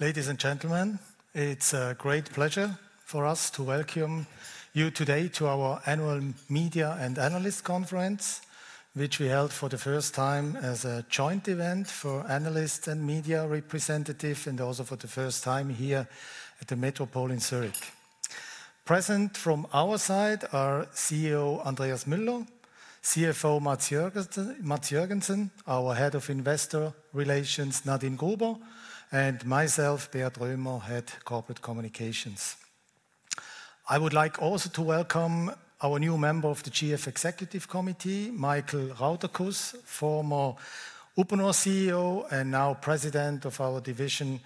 Ladies and gentlemen, it's a great pleasure for us to welcome you today to our annual Media and Analyst Conference, which we held for the first time as a joint event for analysts and media representative, and also for the first time here at the Metropol Zurich. Present from our side are CEO Andreas Müller, CFO Mads Jørgensen, our Head of Investor Relations, Nadine Gruber, and myself, Beat Römer, Head of Corporate Communications. I would like also to welcome our new member of the GF Executive Committee, Michael Rauterkus, former Uponor CEO, and now President of our division,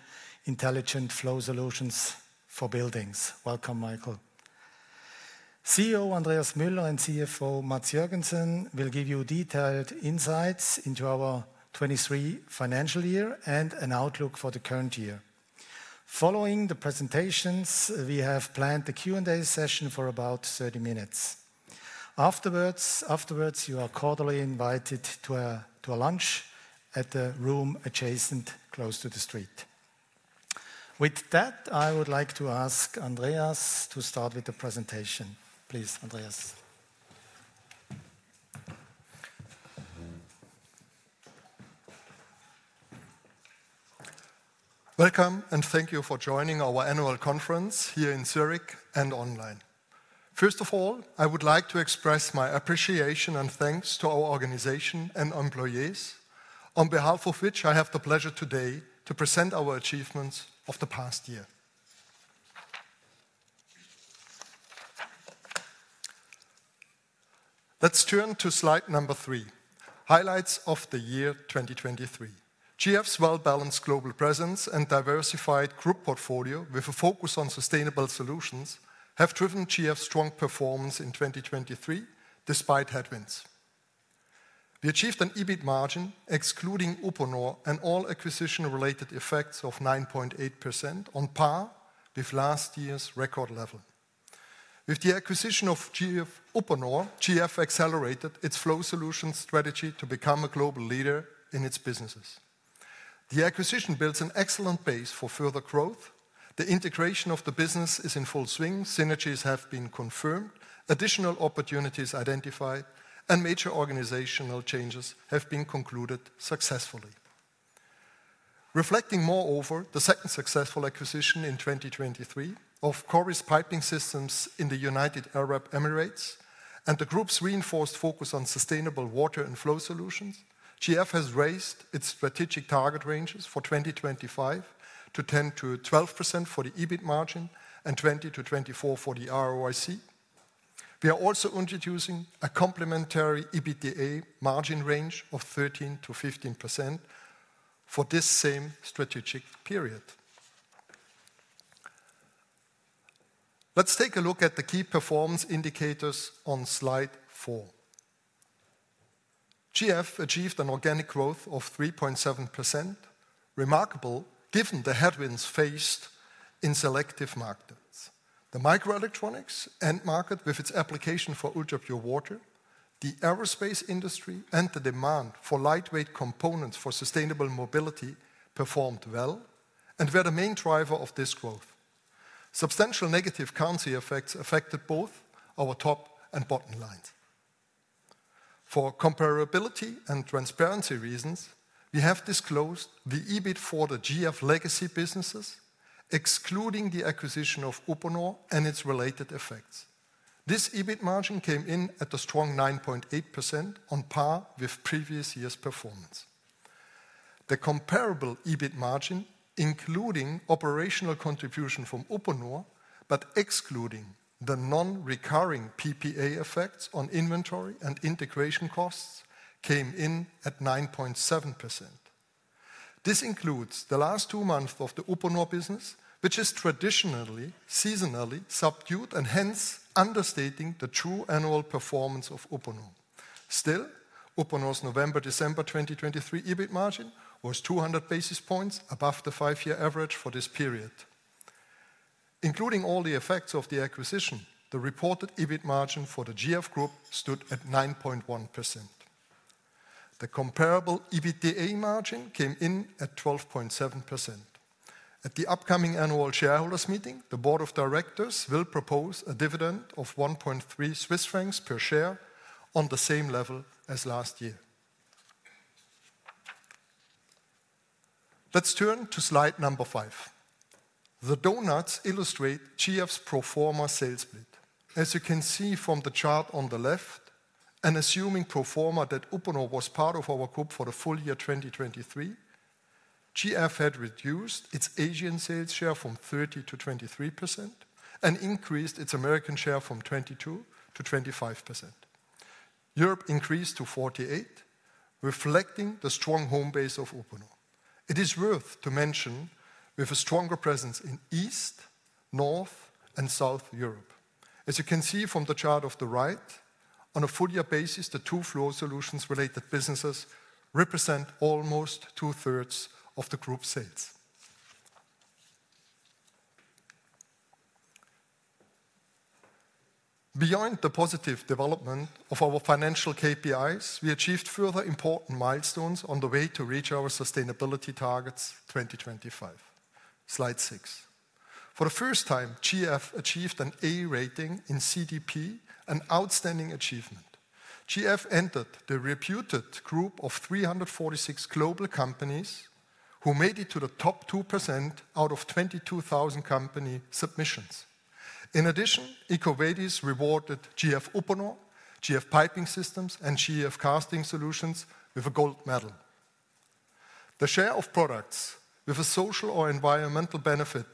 Intelligent Flow Solutions for Buildings. Welcome, Michael. CEO Andreas Müller and CFO Mads Jørgensen will give you detailed insights into our 2023 financial year and an outlook for the current year. Following the presentations, we have planned a Q&A session for about 30 minutes. Afterwards, you are cordially invited to a lunch at the room adjacent, close to the street. With that, I would like to ask Andreas to start with the presentation. Please, Andreas. Welcome, and thank you for joining our annual conference here in Zurich and online. First of all, I would like to express my appreciation and thanks to our organization and employees, on behalf of which I have the pleasure today to present our achievements of the past year. Let's turn to slide number 3, highlights of the year 2023. GF's well-balanced global presence and diversified group portfolio, with a focus on sustainable solutions, have driven GF's strong performance in 2023, despite headwinds. We achieved an EBIT margin, excluding Uponor and all acquisition-related effects of 9.8%, on par with last year's record level. With the acquisition of GF Uponor, GF accelerated its flow solutions strategy to become a global leader in its businesses. The acquisition builds an excellent base for further growth. The integration of the business is in full swing, synergies have been confirmed, additional opportunities identified, and major organizational changes have been concluded successfully. Reflecting moreover, the second successful acquisition in 2023 of Corys Piping Systems in the United Arab Emirates, and the group's reinforced focus on sustainable water and flow solutions, GF has raised its strategic target ranges for 2025 to 10%-12% for the EBIT margin and 20%-24% for the ROIC. We are also introducing a complementary EBITDA margin range of 13%-15% for this same strategic period. Let's take a look at the key performance indicators on slide four. GF achieved an organic growth of 3.7%, remarkable given the headwinds faced in selective markets. The microelectronics end market, with its application for ultrapure water, the aerospace industry, and the demand for lightweight components for sustainable mobility performed well and were the main driver of this growth. Substantial negative currency effects affected both our top and bottom lines. For comparability and transparency reasons, we have disclosed the EBIT for the GF legacy businesses, excluding the acquisition of Uponor and its related effects. This EBIT margin came in at a strong 9.8%, on par with previous year's performance. The comparable EBIT margin, including operational contribution from Uponor, but excluding the non-recurring PPA effects on inventory and integration costs, came in at 9.7%. This includes the last two months of the Uponor business, which is traditionally seasonally subdued and hence understating the true annual performance of Uponor. Still, Uponor's November-December 2023 EBIT margin was 200 basis points above the 5-year average for this period. Including all the effects of the acquisition, the reported EBIT margin for the GF Group stood at 9.1%. The comparable EBITDA margin came in at 12.7%. At the upcoming annual shareholders meeting, the board of directors will propose a dividend of 1.3 Swiss francs per share, on the same level as last year. Let's turn to slide number 5. The donuts illustrate GF's pro forma sales split. As you can see from the chart on the left, and assuming pro forma that Uponor was part of our group for the full year 2023, GF had reduced its Asian sales share from 30%-23% and increased its American share from 22%-25%. Europe increased to 48, reflecting the strong home base of Uponor. It is worth to mention we have a stronger presence in East, North, and South Europe. As you can see from the chart of the right, on a full year basis, the two flow solutions-related businesses represent almost two-thirds of the group's sales.... Beyond the positive development of our financial KPIs, we achieved further important milestones on the way to reach our sustainability targets 2025. Slide six. For the first time, GF achieved an A rating in CDP, an outstanding achievement. GF entered the reputed group of 346 global companies who made it to the top 2% out of 22,000 company submissions. In addition, EcoVadis rewarded GF Uponor, GF Piping Systems, and GF Casting Solutions with a gold medal. The share of products with a social or environmental benefit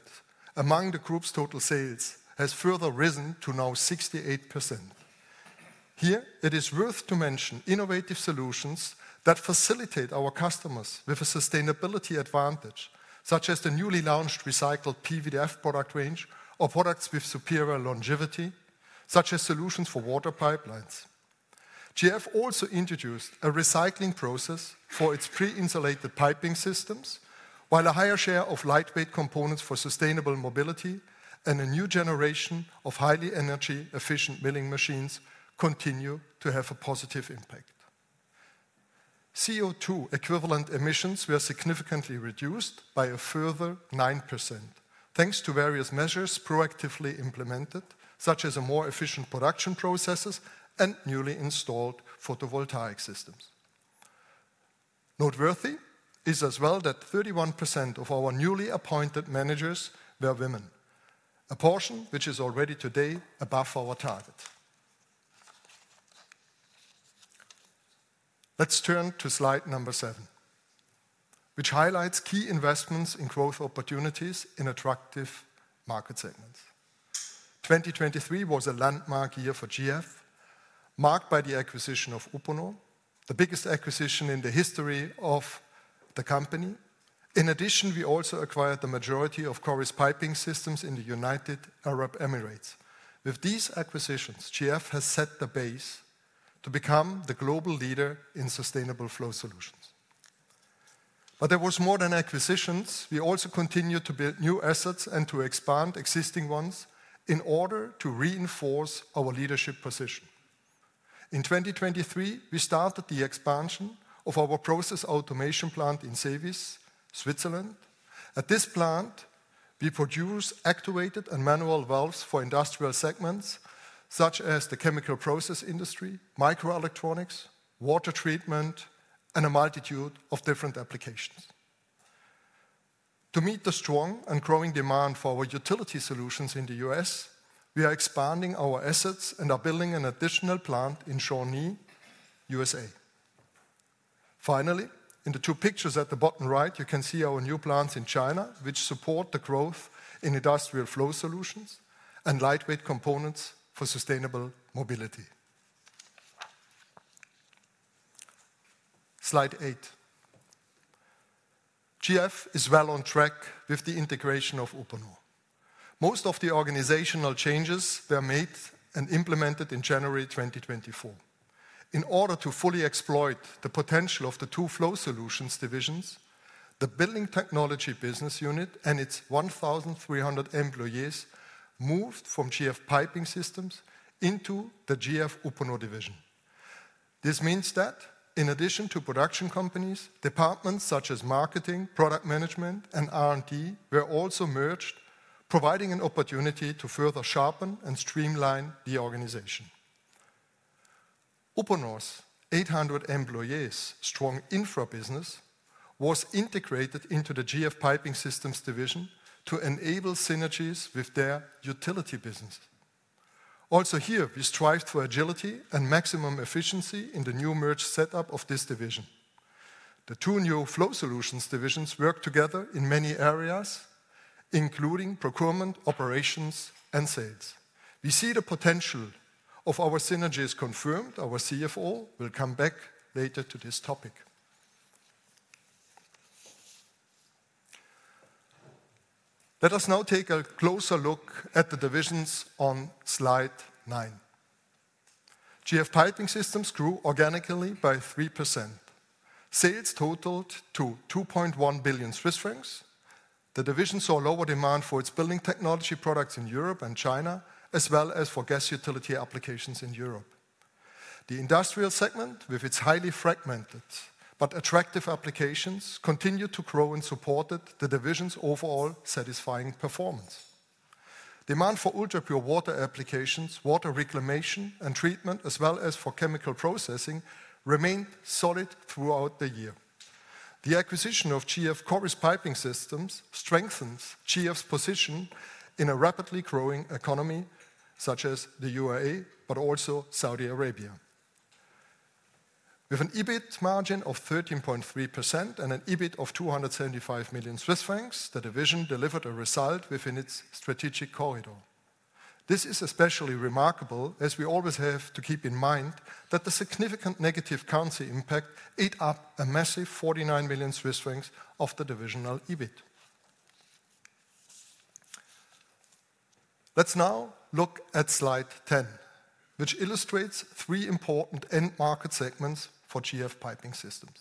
among the group's total sales has further risen to now 68%. Here, it is worth to mention innovative solutions that facilitate our customers with a sustainability advantage, such as the newly launched recycled PVDF product range or products with superior longevity, such as solutions for water pipelines. GF also introduced a recycling process for its pre-insulated piping systems, while a higher share of lightweight components for sustainable mobility and a new generation of highly energy-efficient milling machines continue to have a positive impact. CO2 equivalent emissions were significantly reduced by a further 9%, thanks to various measures proactively implemented, such as a more efficient production processes and newly installed photovoltaic systems. Noteworthy is as well that 31% of our newly appointed managers were women, a portion which is already today above our target. Let's turn to slide number 7, which highlights key investments in growth opportunities in attractive market segments. 2023 was a landmark year for GF, marked by the acquisition of Uponor, the biggest acquisition in the history of the company. In addition, we also acquired the majority of Corys Piping Systems in the United Arab Emirates. With these acquisitions, GF has set the base to become the global leader in sustainable flow solutions. But there was more than acquisitions. We also continued to build new assets and to expand existing ones in order to reinforce our leadership position. In 2023, we started the expansion of our process automation plant in Seewis, Switzerland. At this plant, we produce actuated and manual valves for industrial segments, such as the chemical process industry, microelectronics, water treatment, and a multitude of different applications. To meet the strong and growing demand for our utility solutions in the US, we are expanding our assets and are building an additional plant in Shawnee, USA. Finally, in the two pictures at the bottom right, you can see our new plants in China, which support the growth in industrial flow solutions and lightweight components for sustainable mobility. Slide 8. GF is well on track with the integration of Uponor. Most of the organizational changes were made and implemented in January 2024. In order to fully exploit the potential of the two flow solutions divisions, the building technology business unit and its 1,300 employees moved from GF Piping Systems into the GF Uponor division. This means that in addition to production companies, departments such as marketing, product management, and R&D were also merged, providing an opportunity to further sharpen and streamline the organization. Uponor’s 800 employees-strong Infra business was integrated into the GF Piping Systems division to enable synergies with their utility business. Also here, we strive for agility and maximum efficiency in the new merged setup of this division. The two new flow solutions divisions work together in many areas, including procurement, operations, and sales. We see the potential of our synergies confirmed. Our CFO will come back later to this topic. Let us now take a closer look at the divisions on slide 9. GF Piping Systems grew organically by 3%. Sales totaled to 2.1 billion Swiss francs. The division saw lower demand for its building technology products in Europe and China, as well as for gas utility applications in Europe. The industrial segment, with its highly fragmented but attractive applications, continued to grow and supported the division’s overall satisfying performance. Demand for ultra-pure water applications, water reclamation and treatment, as well as for chemical processing, remained solid throughout the year. The acquisition of GF Corys Piping Systems strengthens GF's position in a rapidly growing economy, such as the UAE, but also Saudi Arabia. With an EBIT margin of 13.3% and an EBIT of 275 million Swiss francs, the division delivered a result within its strategic corridor. This is especially remarkable, as we always have to keep in mind that the significant negative currency impact ate up a massive 49 million Swiss francs of the divisional EBIT. Let's now look at slide 10, which illustrates three important end market segments for GF Piping Systems....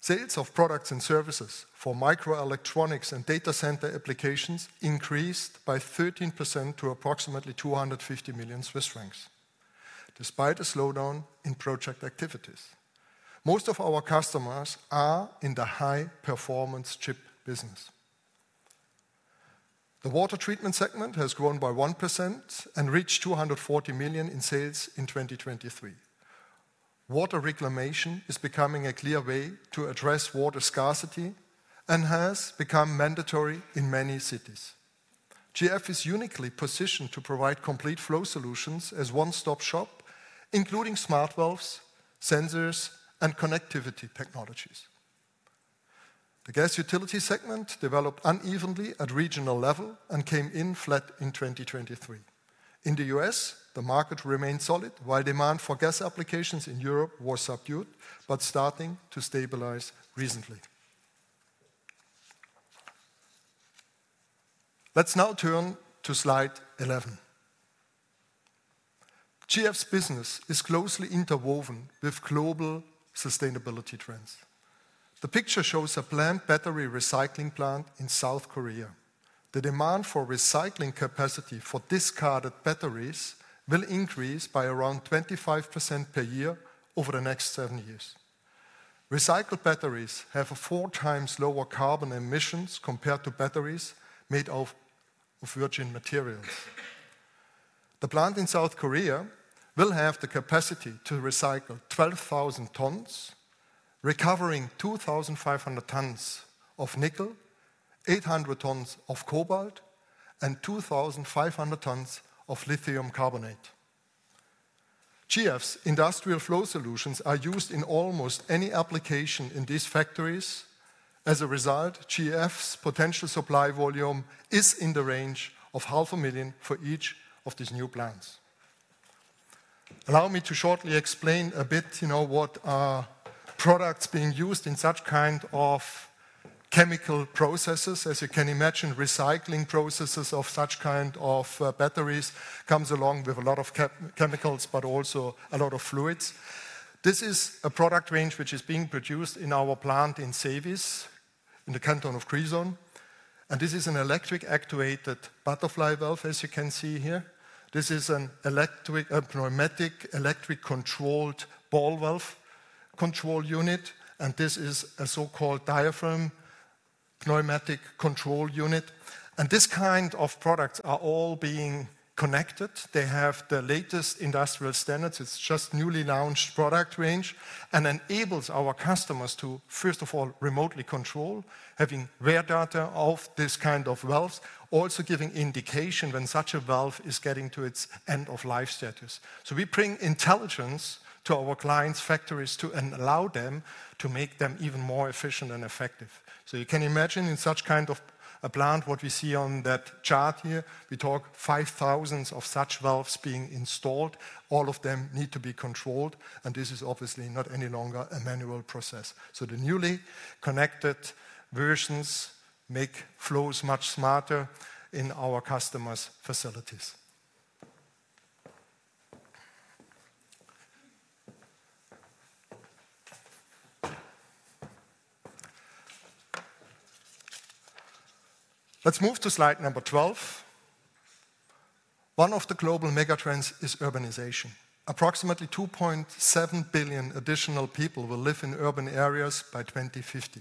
Sales of products and services for microelectronics and data center applications increased by 13% to approximately 250 million Swiss francs, despite a slowdown in project activities. Most of our customers are in the high-performance chip business. The water treatment segment has grown by 1% and reached 240 million in sales in 2023. Water reclamation is becoming a clear way to address water scarcity and has become mandatory in many cities. GF is uniquely positioned to provide complete flow solutions as one-stop shop, including smart valves, sensors, and connectivity technologies. The gas utility segment developed unevenly at regional level and came in flat in 2023. In the U.S., the market remained solid, while demand for gas applications in Europe was subdued, but starting to stabilize recently. Let's now turn to slide 11. GF's business is closely interwoven with global sustainability trends. The picture shows a planned battery recycling plant in South Korea. The demand for recycling capacity for discarded batteries will increase by around 25% per year over the next seven years. Recycled batteries have a four times lower carbon emissions compared to batteries made of, of virgin materials. The plant in South Korea will have the capacity to recycle 12,000 tons, recovering 2,500 tons of nickel, 800 tons of cobalt, and 2,500 tons of lithium carbonate. GF's industrial flow solutions are used in almost any application in these factories. As a result, GF's potential supply volume is in the range of 500,000 for each of these new plants. Allow me to shortly explain a bit, you know, what are products being used in such kind of chemical processes. As you can imagine, recycling processes of such kind of batteries comes along with a lot of chemicals, but also a lot of fluids. This is a product range which is being produced in our plant in Seewis, in the Canton of Grisons, and this is an electric-actuated butterfly valve, as you can see here. This is an electric, a pneumatic, electric-controlled ball valve control unit, and this is a so-called diaphragm pneumatic control unit. And this kind of products are all being connected. They have the latest industrial standards. It's just newly launched product range, and enables our customers to, first of all, remotely control, having rare data of this kind of valves, also giving indication when such a valve is getting to its end-of-life status. So we bring intelligence to our clients' factories to and allow them to make them even more efficient and effective. So you can imagine in such kind of a plant, what we see on that chart here, we talk 5,000 of such valves being installed. All of them need to be controlled, and this is obviously not any longer a manual process. So the newly connected versions make flows much smarter in our customers' facilities. Let's move to slide number 12. One of the global mega trends is urbanization. Approximately 2.7 billion additional people will live in urban areas by 2050.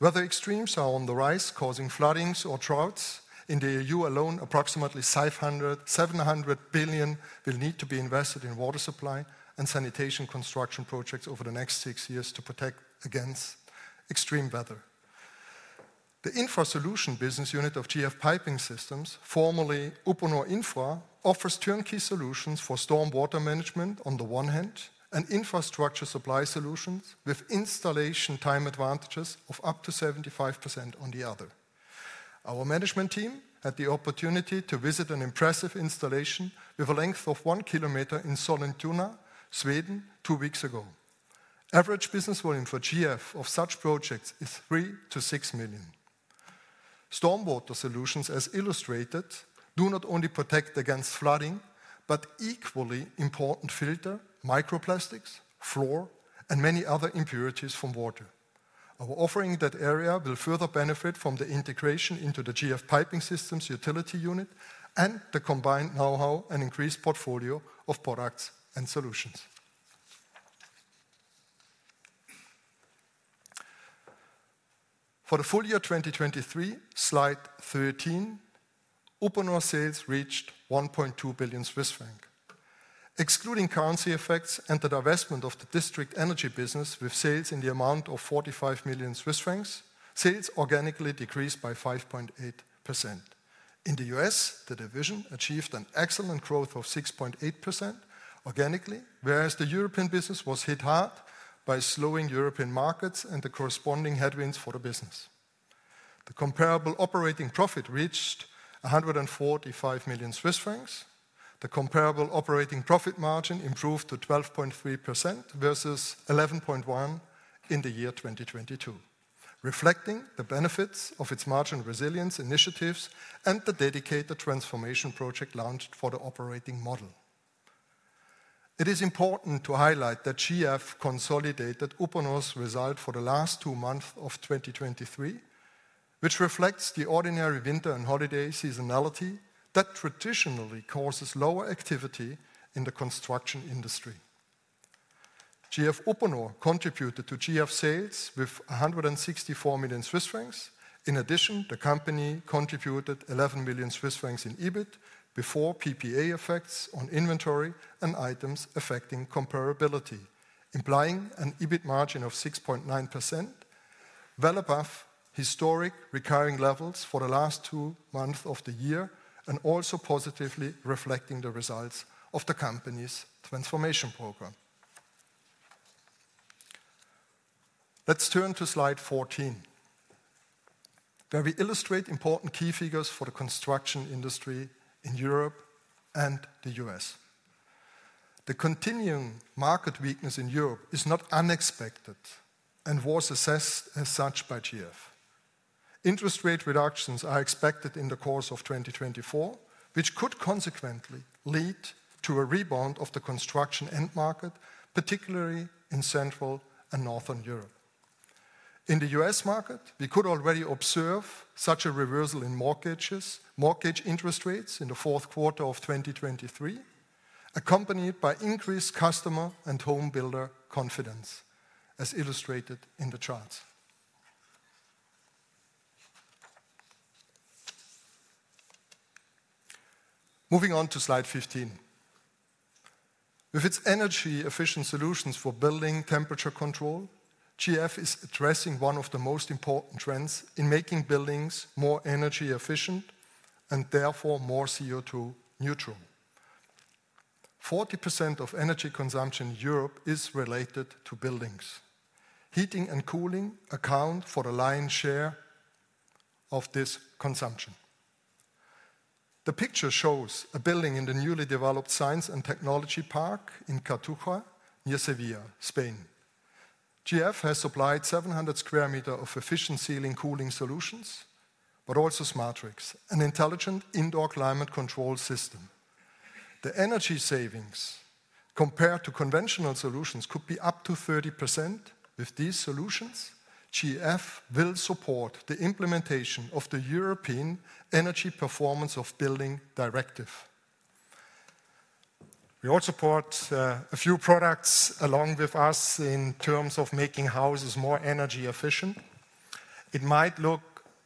Weather extremes are on the rise, causing flooding or droughts. In the EU alone, approximately 500 billion-700 billion will need to be invested in water supply and sanitation construction projects over the next six years to protect against extreme weather. The Infra Solution business unit of GF Piping Systems, formerly Uponor Infra, offers turnkey solutions for stormwater management on the one hand, and infrastructure supply solutions with installation time advantages of up to 75% on the other. Our management team had the opportunity to visit an impressive installation with a length of 1 kilometer in Sollentuna, Sweden, two weeks ago. Average business volume for GF of such projects is 3 million-6 million. Stormwater solutions, as illustrated, do not only protect against flooding, but equally important, filter microplastics, fluor, and many other impurities from water. Our offering in that area will further benefit from the integration into the GF Piping Systems utility unit and the combined know-how and increased portfolio of products and solutions. For the full year 2023, slide 13, Uponor sales reached 1.2 billion Swiss franc. Excluding currency effects and the divestment of the district energy business with sales in the amount of 45 million Swiss francs, sales organically decreased by 5.8%. In the U.S., the division achieved an excellent growth of 6.8% organically, whereas the European business was hit hard by slowing European markets and the corresponding headwinds for the business. The comparable operating profit reached 145 million Swiss francs. The comparable operating profit margin improved to 12.3% versus 11.1% in the year 2022, reflecting the benefits of its margin resilience initiatives and the dedicated transformation project launched for the operating model.... It is important to highlight that GF consolidated Uponor's result for the last two months of 2023, which reflects the ordinary winter and holiday seasonality that traditionally causes lower activity in the construction industry. GF Uponor contributed to GF sales with 164 million Swiss francs. In addition, the company contributed 11 million Swiss francs in EBIT before PPA effects on inventory and items affecting comparability, implying an EBIT margin of 6.9%, well above historic recurring levels for the last two months of the year, and also positively reflecting the results of the company's transformation program. Let's turn to slide 14, where we illustrate important key figures for the construction industry in Europe and the U.S. The continuing market weakness in Europe is not unexpected and was assessed as such by GF. Interest rate reductions are expected in the course of 2024, which could consequently lead to a rebound of the construction end market, particularly in Central and Northern Europe. In the US market, we could already observe such a reversal in mortgages, mortgage interest rates in the fourth quarter of 2023, accompanied by increased customer and home builder confidence, as illustrated in the charts. Moving on to slide 15. With its energy-efficient solutions for building temperature control, GF is addressing one of the most important trends in making buildings more energy efficient and therefore more CO₂ neutral. 40% of energy consumption in Europe is related to buildings. Heating and cooling account for the lion's share of this consumption. The picture shows a building in the newly developed Science and Technology Park in Cartuja, near Sevilla, Spain. GF has supplied 700 square meters of efficient ceiling cooling solutions, but also Smatrix, an intelligent indoor climate control system. The energy savings compared to conventional solutions could be up to 30%. With these solutions, GF will support the implementation of the European Energy Performance of Buildings Directive. We also support a few products along with us in terms of making houses more energy efficient. It might look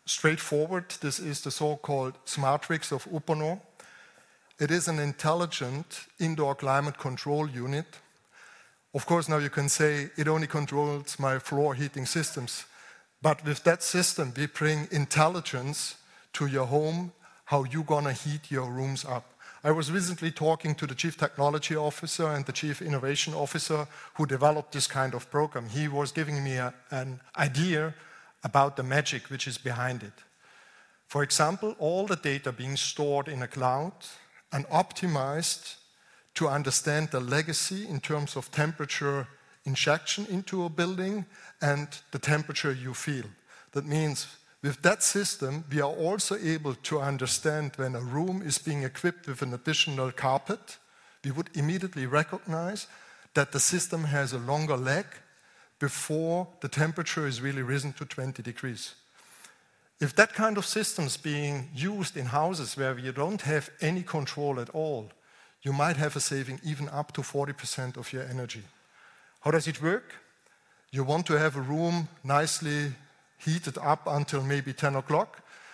straightforward. This is the so-called Smatrix of Uponor. It is an intelligent indoor climate control unit. Of course, now you can say it only controls my floor heating systems, but with that system, we bring intelligence to your home, how you're gonna heat your rooms up. I was recently talking to the chief technology officer and the chief innovation officer who developed this kind of program. He was giving me an idea about the magic which is behind it. For example, all the data being stored in a cloud and optimized to understand the legacy in terms of temperature injection into a building and the temperature you feel. That means with that system, we are also able to understand when a room is being equipped with an additional carpet, we would immediately recognize that the system has a longer lag before the temperature is really risen to 20 degrees. If that kind of system is being used in houses where you don't have any control at all, you might have a saving even up to 40% of your energy. How does it work? You want to have a room nicely heated up until maybe 10:00 A.M.,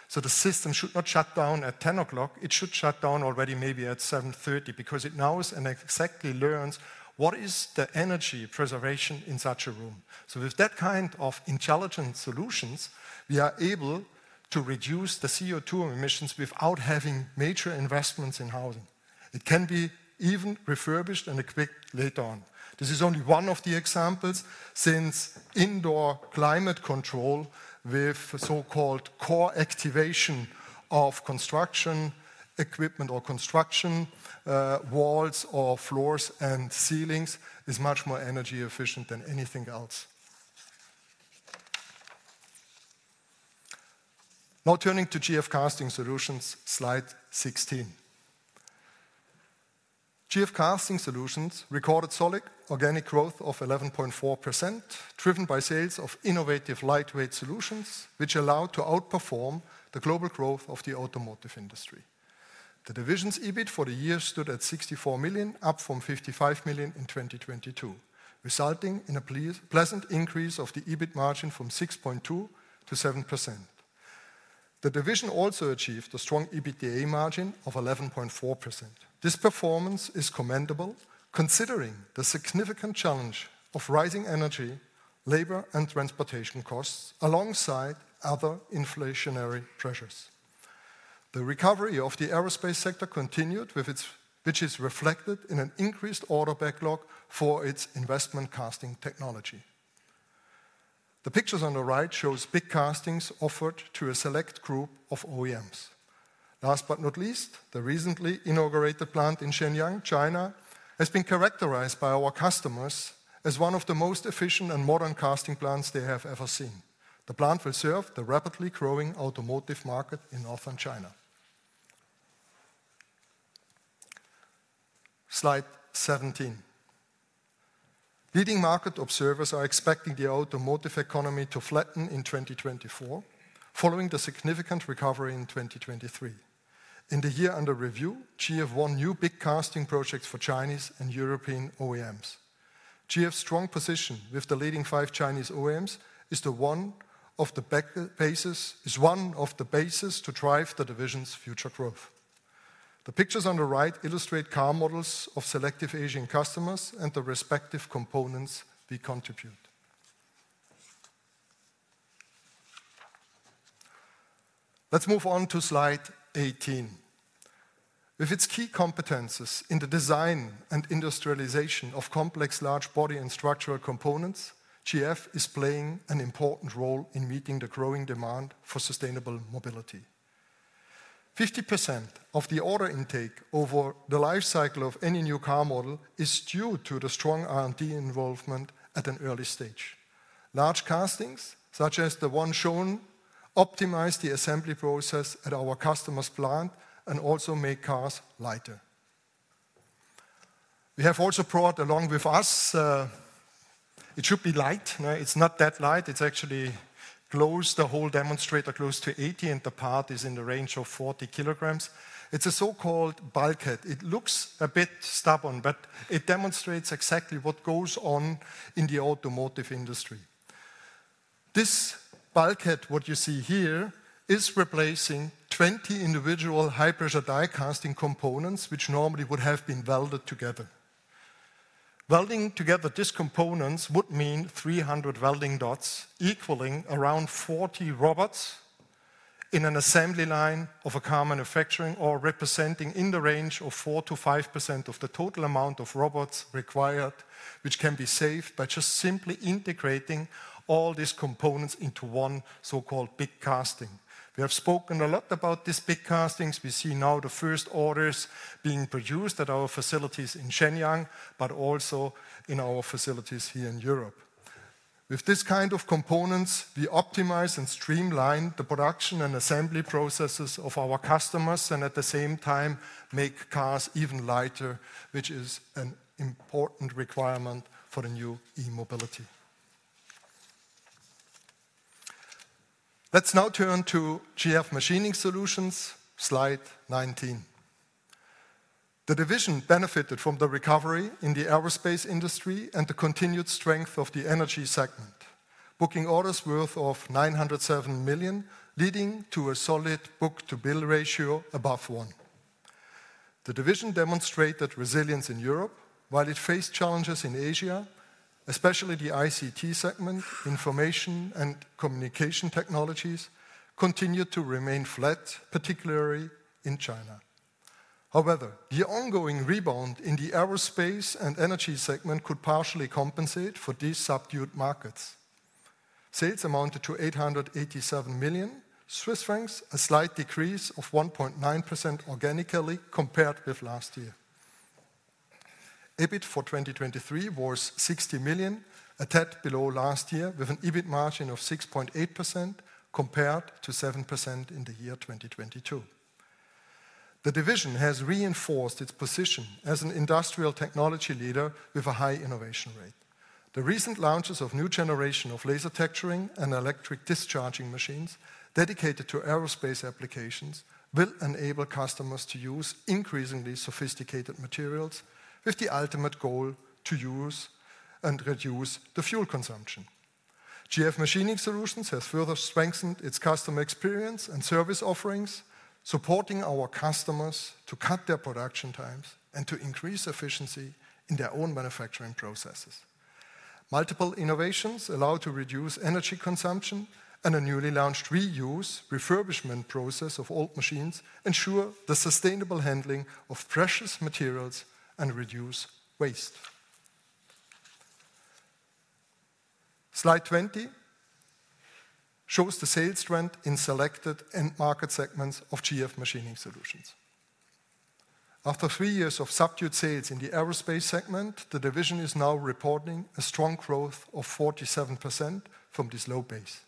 so the system should not shut down at 10:00 A.M. It should shut down already maybe at 7:30 A.M., because it knows and exactly learns what is the energy preservation in such a room. So with that kind of intelligent solutions, we are able to reduce the CO₂ emissions without having major investments in housing. It can be even refurbished and equipped later on. This is only one of the examples, since indoor climate control with so-called core activation of construction, equipment or construction, walls or floors and ceilings, is much more energy efficient than anything else. Now, turning to GF Casting Solutions, slide 16. GF Casting Solutions recorded solid organic growth of 11.4%, driven by sales of innovative lightweight solutions, which allowed to outperform the global growth of the automotive industry. The division's EBIT for the year stood at 64 million, up from 55 million in 2022, resulting in a pleasant increase of the EBIT margin from 6.2% to 7%. The division also achieved a strong EBITDA margin of 11.4%. This performance is commendable, considering the significant challenge of rising energy, labor, and transportation costs, alongside other inflationary pressures. The recovery of the aerospace sector continued with its, which is reflected in an increased order backlog for its investment casting technology. The pictures on the right shows big castings offered to a select group of OEMs. Last but not least, the recently inaugurated plant in Shenyang, China, has been characterized by our customers as one of the most efficient and modern casting plants they have ever seen... The plant will serve the rapidly growing automotive market in Northern China. Slide 17. Leading market observers are expecting the automotive economy to flatten in 2024, following the significant recovery in 2023. In the year under review, GF won new big casting projects for Chinese and European OEMs. GF's strong position with the leading five Chinese OEMs is one of the bases to drive the division's future growth. The pictures on the right illustrate car models of selective Asian customers and the respective components we contribute. Let's move on to slide 18. With its key competencies in the design and industrialization of complex large body and structural components, GF is playing an important role in meeting the growing demand for sustainable mobility. 50% of the order intake over the life cycle of any new car model is due to the strong R&D involvement at an early stage. Large castings, such as the one shown, optimize the assembly process at our customer's plant and also make cars lighter. We have also brought along with us, it should be light, no? It's not that light. It's actually close, the whole demonstrator, close to 80, and the part is in the range of 40 kilograms. It's a so-called bulkhead. It looks a bit stubborn, but it demonstrates exactly what goes on in the automotive industry. This bulkhead, what you see here, is replacing 20 individual high-pressure die casting components, which normally would have been welded together. Welding together these components would mean 300 welding dots, equaling around 40 robots in an assembly line of a car manufacturing or representing in the range of 4%-5% of the total amount of robots required, which can be saved by just simply integrating all these components into one so-called big casting. We have spoken a lot about these big castings. We see now the first orders being produced at our facilities in Shenyang, but also in our facilities here in Europe. With this kind of components, we optimize and streamline the production and assembly processes of our customers, and at the same time, make cars even lighter, which is an important requirement for the new e-mobility. Let's now turn to GF Machining Solutions, slide 19. The division benefited from the recovery in the aerospace industry and the continued strength of the energy segment, booking orders worth 907 million, leading to a solid book-to-bill ratio above one. The division demonstrated resilience in Europe, while it faced challenges in Asia, especially the ICT segment. Information and communication technologies continued to remain flat, particularly in China. However, the ongoing rebound in the aerospace and energy segment could partially compensate for these subdued markets. Sales amounted to 887 million Swiss francs, a slight decrease of 1.9% organically compared with last year. EBIT for 2023 was 60 million, a tad below last year, with an EBIT margin of 6.8%, compared to 7% in the year 2022. The division has reinforced its position as an industrial technology leader with a high innovation rate. The recent launches of new generation of laser texturing and electric discharging machines dedicated to aerospace applications will enable customers to use increasingly sophisticated materials, with the ultimate goal to use and reduce the fuel consumption. GF Machining Solutions has further strengthened its customer experience and service offerings, supporting our customers to cut their production times and to increase efficiency in their own manufacturing processes. Multiple innovations allow to reduce energy consumption, and a newly launched reuse refurbishment process of old machines ensure the sustainable handling of precious materials and reduce waste. Slide 20 shows the sales trend in selected end market segments of GF Machining Solutions. After 3 years of subdued sales in the aerospace segment, the division is now reporting a strong growth of 47% from this low base.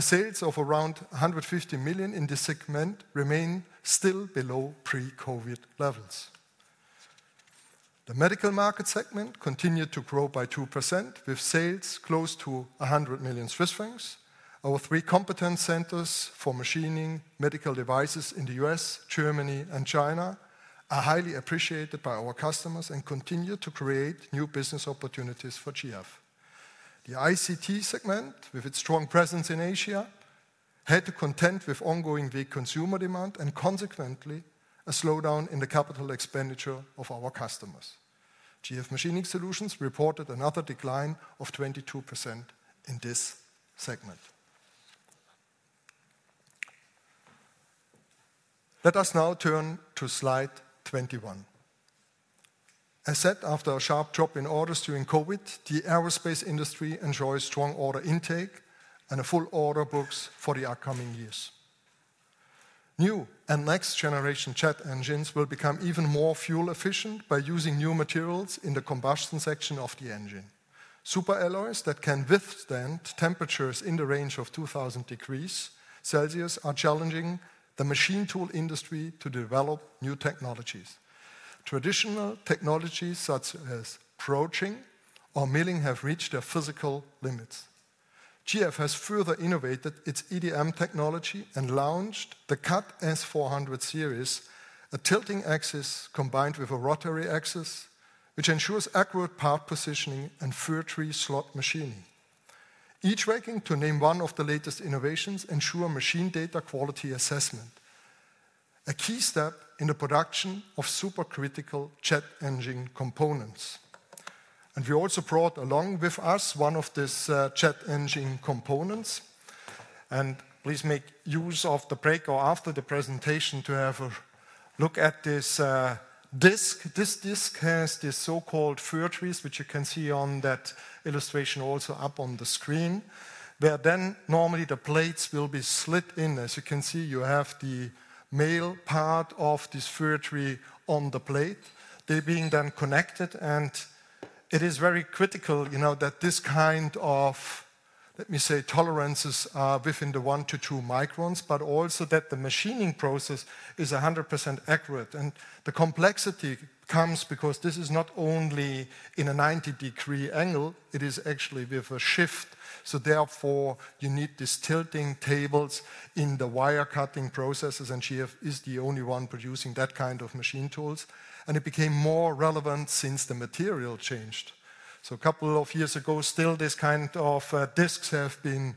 Sales of around 150 million in this segment remain still below pre-COVID levels. The medical market segment continued to grow by 2%, with sales close to 100 million Swiss francs. Our 3 competence centers for machining medical devices in the U.S., Germany, and China are highly appreciated by our customers and continue to create new business opportunities for GF. The ICT segment, with its strong presence in Asia, had to contend with ongoing weak consumer demand and consequently, a slowdown in the capital expenditure of our customers. GF Machining Solutions reported another decline of 22% in this segment. Let us now turn to slide 21. As said, after a sharp drop in orders during COVID, the aerospace industry enjoys strong order intake and full order books for the upcoming years. New and next generation jet engines will become even more fuel efficient by using new materials in the combustion section of the engine. Super alloys that can withstand temperatures in the range of 2,000 degrees Celsius are challenging the machine tool industry to develop new technologies. Traditional technologies, such as broaching or milling, have reached their physical limits. GF has further innovated its EDM technology and launched the CUT F series, a tilting axis combined with a rotary axis, which ensures accurate part positioning and fir tree slot machining. e-Tracking, to name one of the latest innovations, ensure machine data quality assessment, a key step in the production of supercritical jet engine components. We also brought along with us one of these jet engine components. Please make use of the break or after the presentation to have a look at this disk. This disk has this so-called fir trees, which you can see on that illustration also up on the screen, where then normally the plates will be slit in. As you can see, you have the male part of this fir tree on the plate. They're being then connected, and it is very critical, you know, that this kind of, let me say, tolerances are within the 1-2 microns, but also that the machining process is 100% accurate. The complexity comes because this is not only in a 90-degree angle, it is actually with a shift. Therefore, you need these tilting tables in the wire cutting processes, and GF is the only one producing that kind of machine tools. It became more relevant since the material changed. A couple of years ago, still this kind of disks have been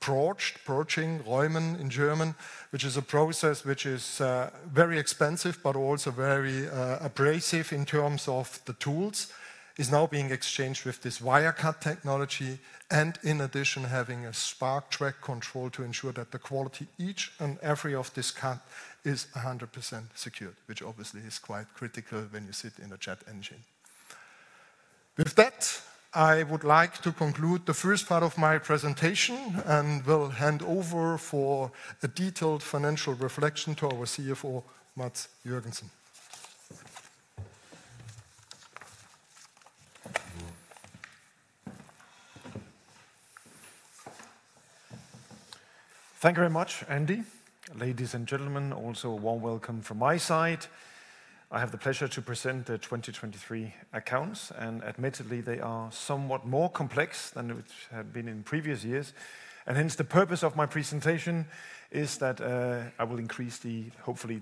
broached, broaching, räumen in German, which is a process which is very expensive, but also very abrasive in terms of the tools, is now being exchanged with this wire cut technology and in addition, having a Spark Track control to ensure that the quality, each and every of this cut is 100% secured, which obviously is quite critical when you sit in a jet engine. With that, I would like to conclude the first part of my presentation and will hand over for a detailed financial reflection to our CFO, Mads Jørgensen. Thank you very much, Andy. Ladies and gentlemen, also a warm welcome from my side. I have the pleasure to present the 2023 accounts, and admittedly, they are somewhat more complex than which had been in previous years. Hence, the purpose of my presentation is that, I will increase the, hopefully,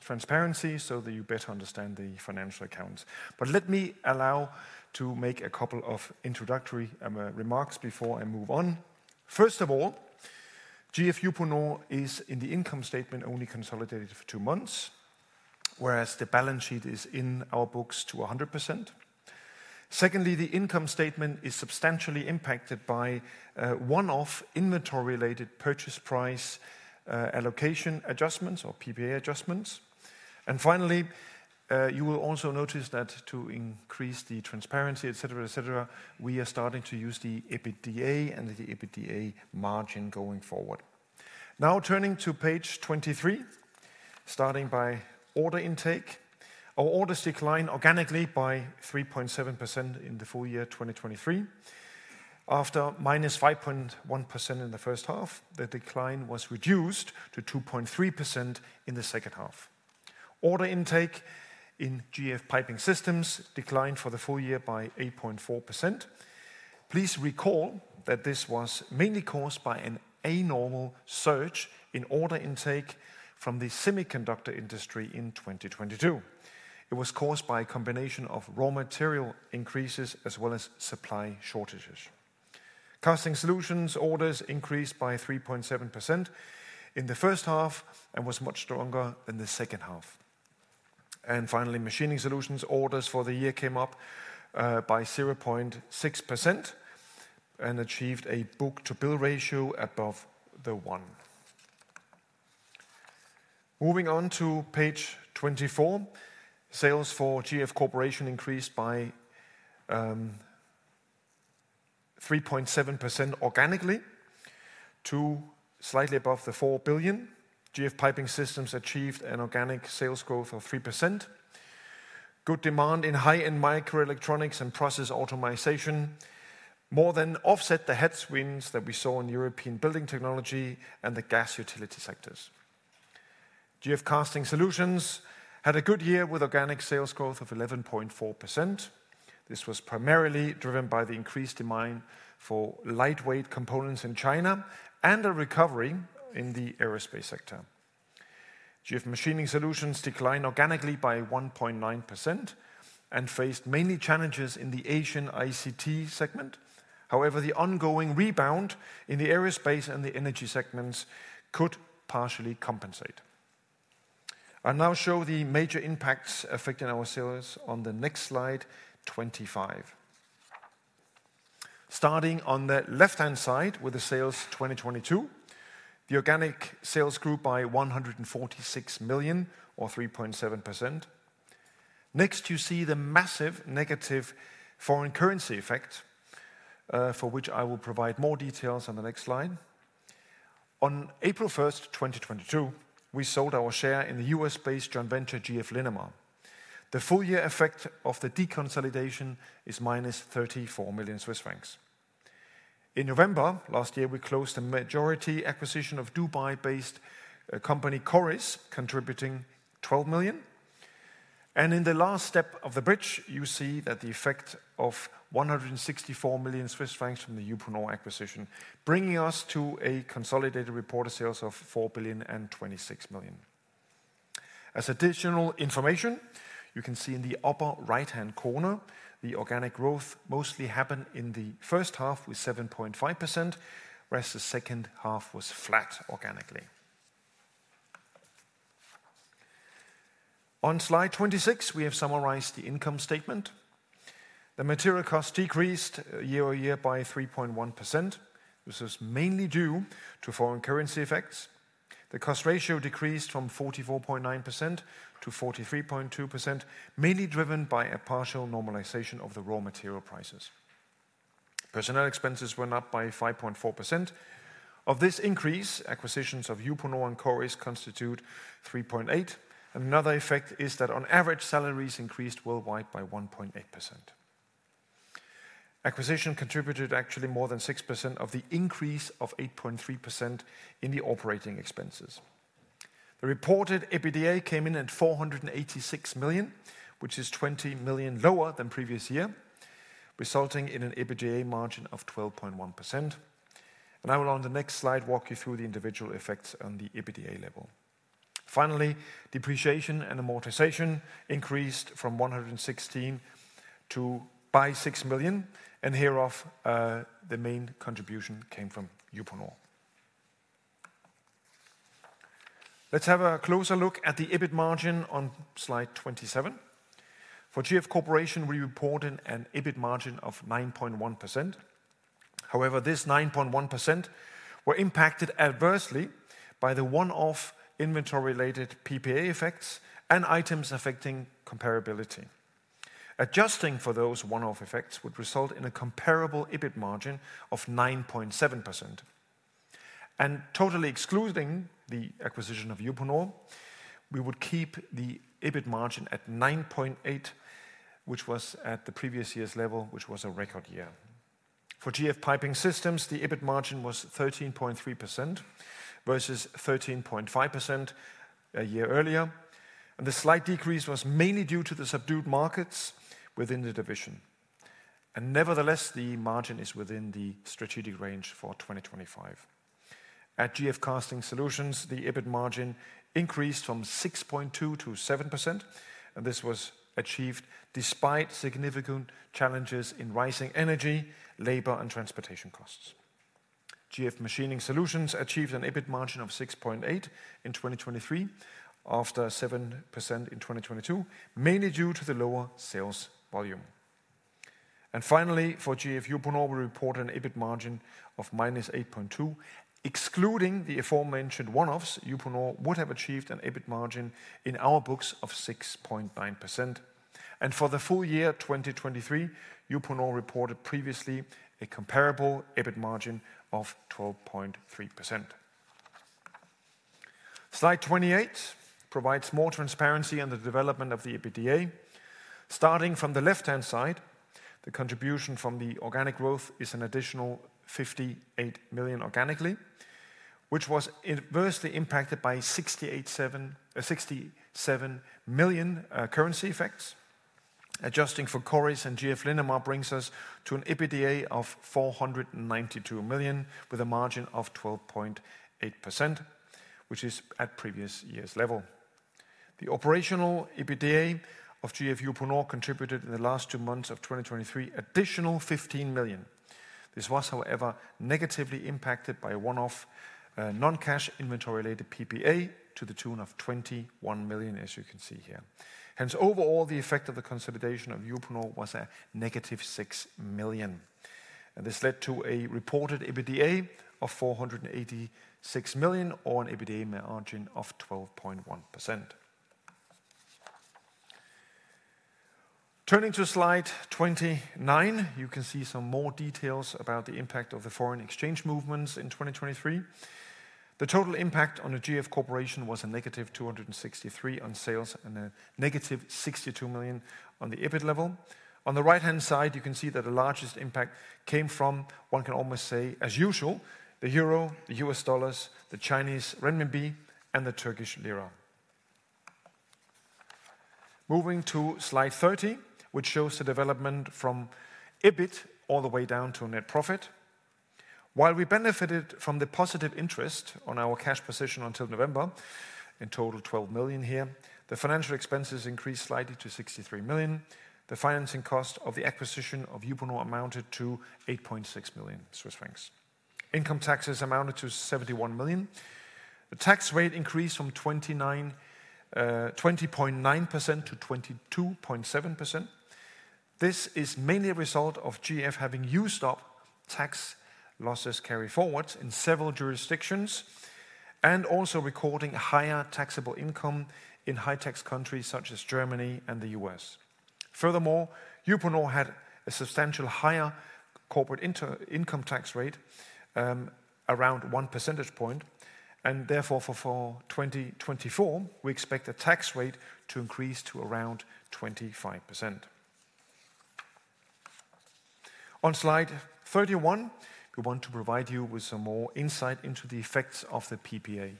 transparency, so that you better understand the financial accounts. But let me allow to make a couple of introductory, remarks before I move on. First of all, GF Piping is, in the income statement, only consolidated for two months, whereas the balance sheet is in our books to 100%. Secondly, the income statement is substantially impacted by, one-off inventory-related purchase price, allocation adjustments or PPA adjustments. And finally, you will also notice that to increase the transparency, et cetera, et cetera, we are starting to use the EBITDA and the EBITDA margin going forward. Now, turning to page 23, starting by order intake. Our orders declined organically by 3.7% in the full year 2023. After -5.1% in the first half, the decline was reduced to 2.3% in the second half. Order intake in GF Piping Systems declined for the full year by 8.4%. Please recall that this was mainly caused by an abnormal surge in order intake from the semiconductor industry in 2022. It was caused by a combination of raw material increases as well as supply shortages. Casting Solutions orders increased by 3.7% in the first half and was much stronger in the second half. Finally, Machining Solutions orders for the year came up by 0.6% and achieved a book-to-bill ratio above 1. Moving on to page 24, sales for GF Corporation increased by 3.7% organically to slightly above 4 billion. GF Piping Systems achieved an organic sales growth of 3%. Good demand in high-end microelectronics and process automation more than offset the headwinds that we saw in European building technology and the gas utility sectors. GF Casting Solutions had a good year with organic sales growth of 11.4%. This was primarily driven by the increased demand for lightweight components in China and a recovery in the aerospace sector. GF Machining Solutions declined organically by 1.9% and faced mainly challenges in the Asian ICT segment. However, the ongoing rebound in the aerospace and the energy segments could partially compensate. I'll now show the major impacts affecting our sales on the next slide, 25. Starting on the left-hand side with the sales 2022, the organic sales grew by 146 million, or 3.7%.... Next, you see the massive negative foreign currency effect, for which I will provide more details on the next slide. On April 1, 2022, we sold our share in the U.S.-based joint venture, GF Linamar. The full year effect of the deconsolidation is -34 million Swiss francs. In November last year, we closed a majority acquisition of Dubai-based, company Corys, contributing 12 million. In the last step of the bridge, you see that the effect of 164 million Swiss francs from the Uponor acquisition, bringing us to a consolidated reported sales of 4,026 million. As additional information, you can see in the upper right-hand corner, the organic growth mostly happened in the first half with 7.5%, whereas the second half was flat organically. On slide 26, we have summarized the income statement. The material cost decreased year-over-year by 3.1%, which is mainly due to foreign currency effects. The cost ratio decreased from 44.9% to 43.2%, mainly driven by a partial normalization of the raw material prices. Personnel expenses went up by 5.4%. Of this increase, acquisitions of Uponor and Corys constitute 3.8, and another effect is that on average, salaries increased worldwide by 1.8%. Acquisition contributed actually more than 6% of the increase of 8.3% in the operating expenses. The reported EBITDA came in at 486 million, which is 20 million lower than previous year, resulting in an EBITDA margin of 12.1%. And I will, on the next slide, walk you through the individual effects on the EBITDA level. Finally, depreciation and amortization increased from 116 by 6 million, and hereof, the main contribution came from Uponor. Let's have a closer look at the EBIT margin on slide 27. For GF Corporation, we reported an EBIT margin of 9.1%. However, this 9.1% were impacted adversely by the one-off inventory-related PPA effects and items affecting comparability. Adjusting for those one-off effects would result in a comparable EBIT margin of 9.7%. And totally excluding the acquisition of Uponor, we would keep the EBIT margin at 9.8%, which was at the previous year's level, which was a record year. For GF Piping Systems, the EBIT margin was 13.3% versus 13.5% a year earlier, and the slight decrease was mainly due to the subdued markets within the division. And nevertheless, the margin is within the strategic range for 2025. At GF Casting Solutions, the EBIT margin increased from 6.2% to 7%, and this was achieved despite significant challenges in rising energy, labor, and transportation costs. GF Machining Solutions achieved an EBIT margin of 6.8% in 2023, after 7% in 2022, mainly due to the lower sales volume. Finally, for GF Uponor, we report an EBIT margin of -8.2%. Excluding the aforementioned one-offs, Uponor would have achieved an EBIT margin in our books of 6.9%. For the full year 2023, Uponor reported previously a comparable EBIT margin of 12.3%. Slide 28 provides more transparency on the development of the EBITDA. Starting from the left-hand side, the contribution from the organic growth is an additional 58 million organically, which was inversely impacted by sixty-eight, seven, sixty-seven million, currency effects. Adjusting for Corys and GF Linamar brings us to an EBITDA of 492 million, with a margin of 12.8%, which is at previous year's level. The operational EBITDA of GF Uponor contributed in the last two months of 2023, additional 15 million. This was, however, negatively impacted by a one-off, non-cash inventory-related PPA to the tune of 21 million, as you can see here. Hence, overall, the effect of the consolidation of Uponor was a -6 million, and this led to a reported EBITDA of 486 million, or an EBITDA margin of 12.1%. Turning to slide 29, you can see some more details about the impact of the foreign exchange movements in 2023. The total impact on the GF Corporation was a negative 263 on sales and a negative 62 million on the EBIT level. On the right-hand side, you can see that the largest impact came from, one can almost say, as usual, the euro, the U.S. dollars, the Chinese renminbi, and the Turkish lira. Moving to slide 30, which shows the development from EBIT all the way down to net profit. While we benefited from the positive interest on our cash position until November, in total 12 million here, the financial expenses increased slightly to 63 million. The financing cost of the acquisition of Uponor amounted to 8.6 million Swiss francs. Income taxes amounted to 71 million. The tax rate increased from 29, twenty point nine percent to 22.7%.... This is mainly a result of GF having used up tax losses carryforwards in several jurisdictions, and also recording higher taxable income in high-tax countries such as Germany and the U.S. Furthermore, Uponor had a substantially higher corporate income tax rate, around 1 percentage point, and therefore for 2024, we expect the tax rate to increase to around 25%. On slide 31, we want to provide you with some more insight into the effects of the PPA.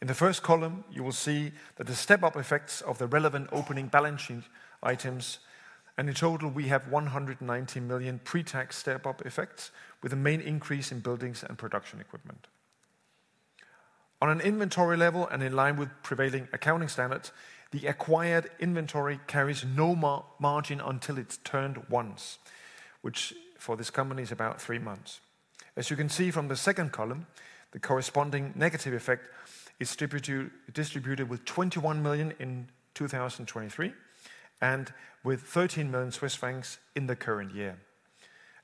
In the first column, you will see that the step-up effects of the relevant opening balance sheet items, and in total, we have 190 million pre-tax step-up effects, with a main increase in buildings and production equipment. On an inventory level and in line with prevailing accounting standards, the acquired inventory carries no margin until it's turned once, which for this company is about three months. As you can see from the second column, the corresponding negative effect is distributed with 21 million in 2023, and with 13 million Swiss francs in the current year.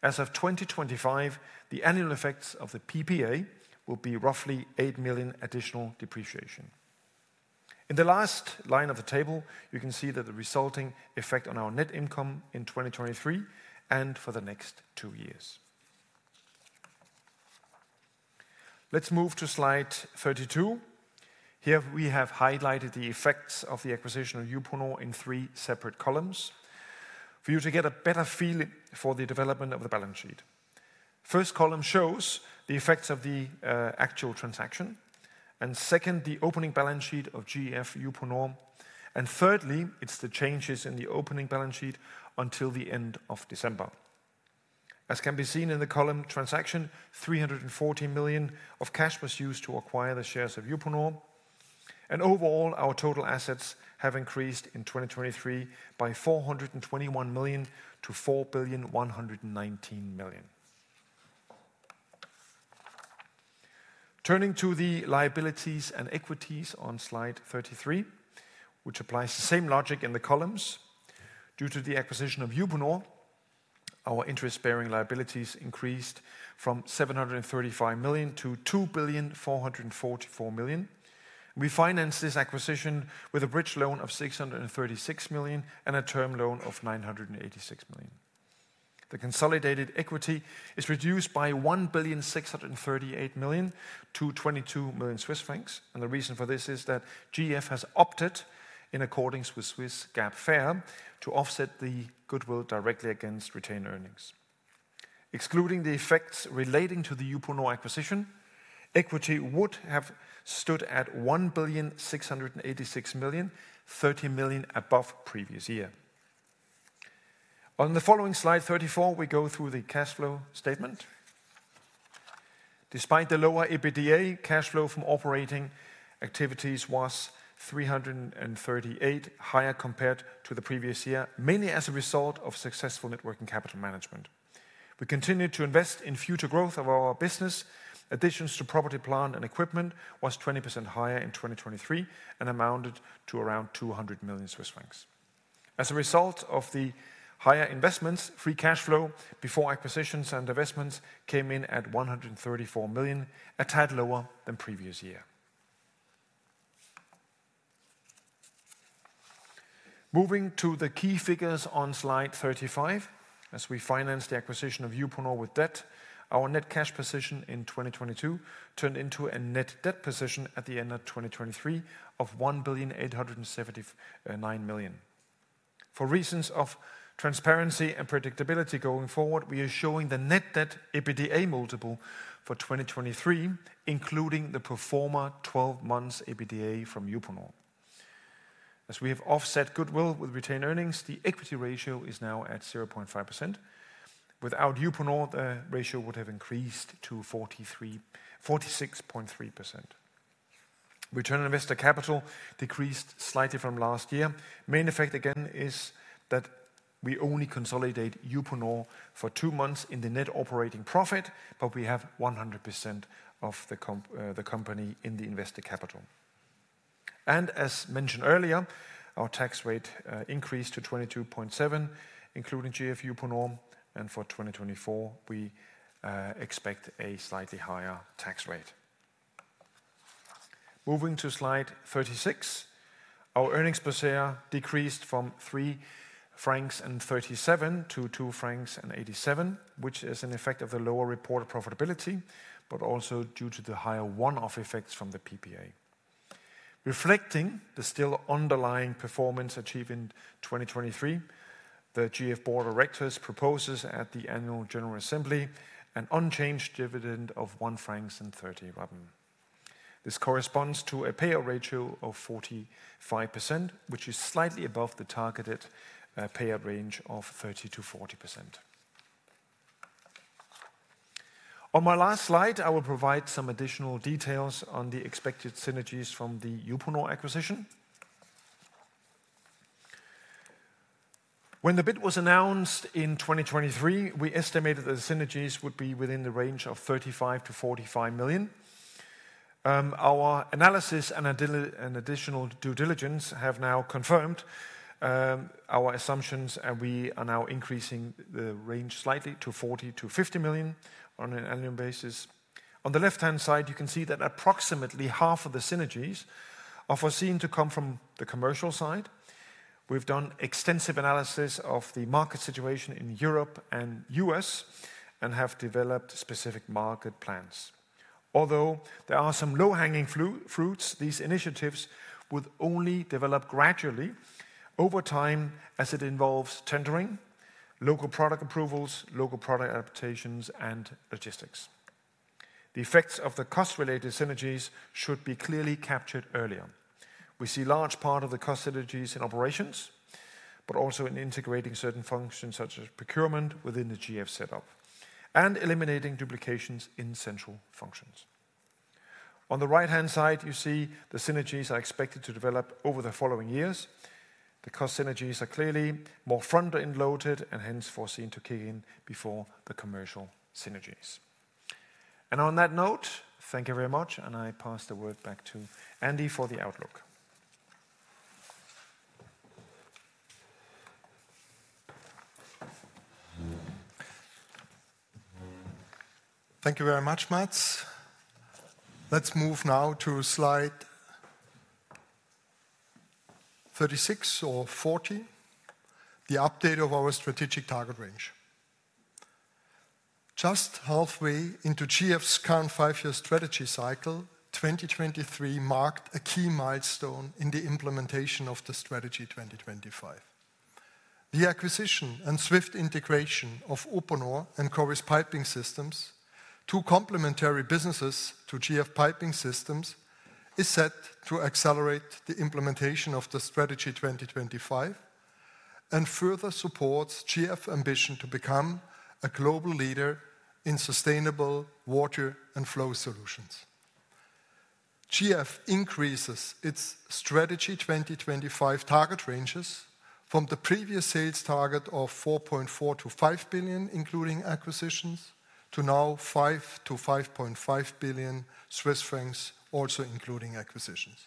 As of 2025, the annual effects of the PPA will be roughly 8 million additional depreciation. In the last line of the table, you can see that the resulting effect on our net income in 2023 and for the next two years. Let's move to slide 32. Here, we have highlighted the effects of the acquisition of Uponor in three separate columns for you to get a better feeling for the development of the balance sheet. First column shows the effects of the actual transaction, and second, the opening balance sheet of GF Uponor. And thirdly, it's the changes in the opening balance sheet until the end of December. As can be seen in the column transaction, 340 million of cash was used to acquire the shares of Uponor, and overall, our total assets have increased in 2023 by 421 million to 4,119 million. Turning to the liabilities and equities on slide 33, which applies the same logic in the columns. Due to the acquisition of Uponor, our interest-bearing liabilities increased from 735 million to 2,444 million. We financed this acquisition with a bridge loan of 636 million and a term loan of 986 million. The consolidated equity is reduced by 1,638 million to 22 million Swiss francs, and the reason for this is that GF has opted, in accordance with Swiss GAAP FER, to offset the goodwill directly against retained earnings. Excluding the effects relating to the Uponor acquisition, equity would have stood at 1,686 million, 30 million above previous year. On the following slide, 34, we go through the cash flow statement. Despite the lower EBITDA, cash flow from operating activities was 338, higher compared to the previous year, mainly as a result of successful working capital management. We continued to invest in future growth of our business. Additions to property, plant, and equipment was 20% higher in 2023 and amounted to around 200 million Swiss francs. As a result of the higher investments, free cash flow before acquisitions and investments came in at 134 million, a tad lower than previous year. Moving to the key figures on slide 35, as we financed the acquisition of Uponor with debt, our net cash position in 2022 turned into a net debt position at the end of 2023 of 1,879 million. For reasons of transparency and predictability going forward, we are showing the net debt EBITDA multiple for 2023, including the pro forma twelve months EBITDA from Uponor. As we have offset goodwill with retained earnings, the equity ratio is now at 0.5%. Without Uponor, the ratio would have increased to 46.3%. Return on Invested Capital decreased slightly from last year. Main effect, again, is that we only consolidate Uponor for two months in the net operating profit, but we have one hundred percent of the com, the company in the investor capital. And as mentioned earlier, our tax rate increased to 22.7%, including GF Uponor, and for 2024, we expect a slightly higher tax rate. Moving to slide 36, our earnings per share decreased from 3.37 francs to 2.87 francs, which is an effect of the lower reported profitability, but also due to the higher one-off effects from the PPA. Reflecting the still underlying performance achieved in 2023, the GF Board of Directors proposes at the Annual General Assembly an unchanged dividend of 1.30 francs. This corresponds to a payout ratio of 45%, which is slightly above the targeted payout range of 30%-40%. On my last slide, I will provide some additional details on the expected synergies from the Uponor acquisition. When the bid was announced in 2023, we estimated that the synergies would be within the range of 35 million-45 million. Our analysis and additional due diligence have now confirmed our assumptions, and we are now increasing the range slightly to 40 million-50 million on an annual basis. On the left-hand side, you can see that approximately half of the synergies are foreseen to come from the commercial side. We've done extensive analysis of the market situation in Europe and U.S. and have developed specific market plans. Although there are some low-hanging fruits, these initiatives would only develop gradually over time, as it involves tendering, local product approvals, local product adaptations, and logistics. The effects of the cost-related synergies should be clearly captured earlier. We see large part of the cost synergies in operations, but also in integrating certain functions, such as procurement, within the GF setup, and eliminating duplications in central functions. On the right-hand side, you see the synergies are expected to develop over the following years. The cost synergies are clearly more front-end loaded and hence foreseen to kick in before the commercial synergies. And on that note, thank you very much, and I pass the word back to Andy for the outlook. Thank you very much, Mads. Let's move now to slide 36 or 40, the update of our strategic target range. Just halfway into GF's current five-year strategy cycle, 2023 marked a key milestone in the implementation of the Strategy 2025. The acquisition and swift integration of Uponor and Corys Piping Systems, two complementary businesses to GF Piping Systems, is set to accelerate the implementation of the Strategy 2025 and further supports GF's ambition to become a global leader in sustainable water and flow solutions. GF increases its Strategy 2025 target ranges from the previous sales target of 4.4-5 billion, including acquisitions, to now 5-5.5 billion Swiss francs, also including acquisitions.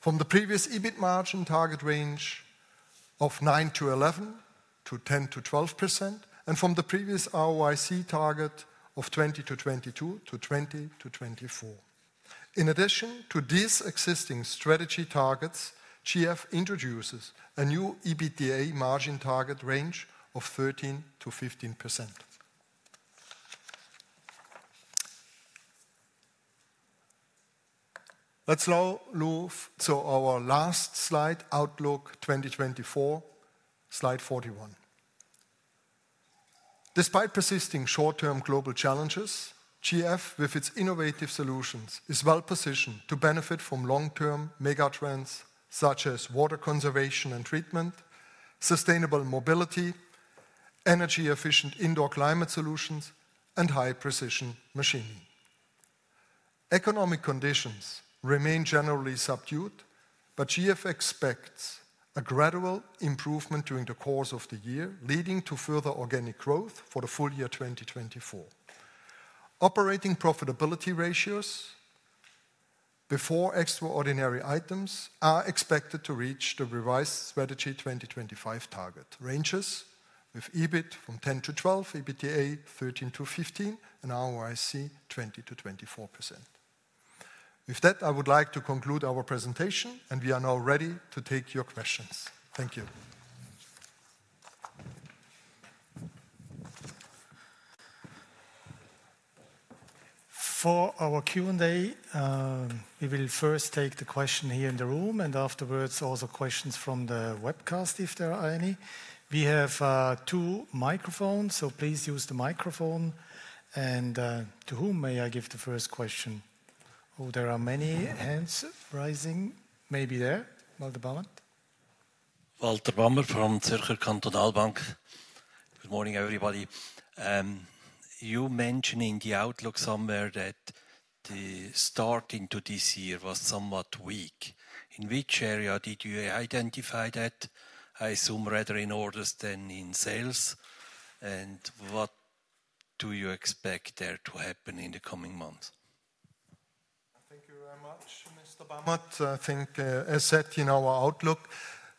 From the previous EBIT margin target range of 9%-11% to 10%-12%, and from the previous ROIC target of 20-22 to 20-24. In addition to these existing strategy targets, GF introduces a new EBITDA margin target range of 13%-15%. Let's now move to our last slide, Outlook 2024, slide 41. Despite persisting short-term global challenges, GF, with its innovative solutions, is well-positioned to benefit from long-term mega trends, such as water conservation and treatment, sustainable mobility, energy-efficient indoor climate solutions, and high-precision machining. Economic conditions remain generally subdued, but GF expects a gradual improvement during the course of the year, leading to further organic growth for the full year 2024. Operating profitability ratios before extraordinary items are expected to reach the revised Strategy 2025 target ranges, with EBIT from 10-12, EBITDA 13-15, and ROIC 20%-24%. With that, I would like to conclude our presentation, and we are now ready to take your questions. Thank you. For our Q&A, we will first take the question here in the room, and afterwards, also questions from the webcast, if there are any. We have two microphones, so please use the microphone. And, to whom may I give the first question? Oh, there are many hands rising. Maybe there, Walter Bamert. Walter Bamert from Zürcher Kantonalbank. Good morning, everybody. You mention in the outlook somewhere that the start into this year was somewhat weak. In which area did you identify that? I assume rather in orders than in sales. And what do you expect there to happen in the coming months? Thank you very much, Mr. Bamert. I think, as said in our outlook,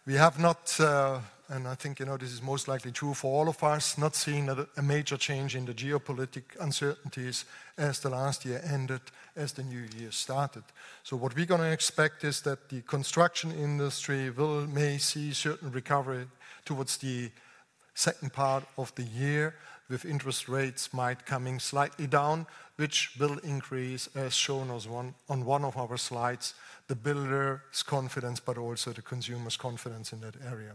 we have not, and I think, you know, this is most likely true for all of us, not seen a major change in the geopolitical uncertainties as the last year ended, as the new year started. So what we're gonna expect is that the construction industry will may see certain recovery towards the second part of the year, with interest rates might coming slightly down, which will increase, as shown on one of our slides, the builder's confidence, but also the consumer's confidence in that area.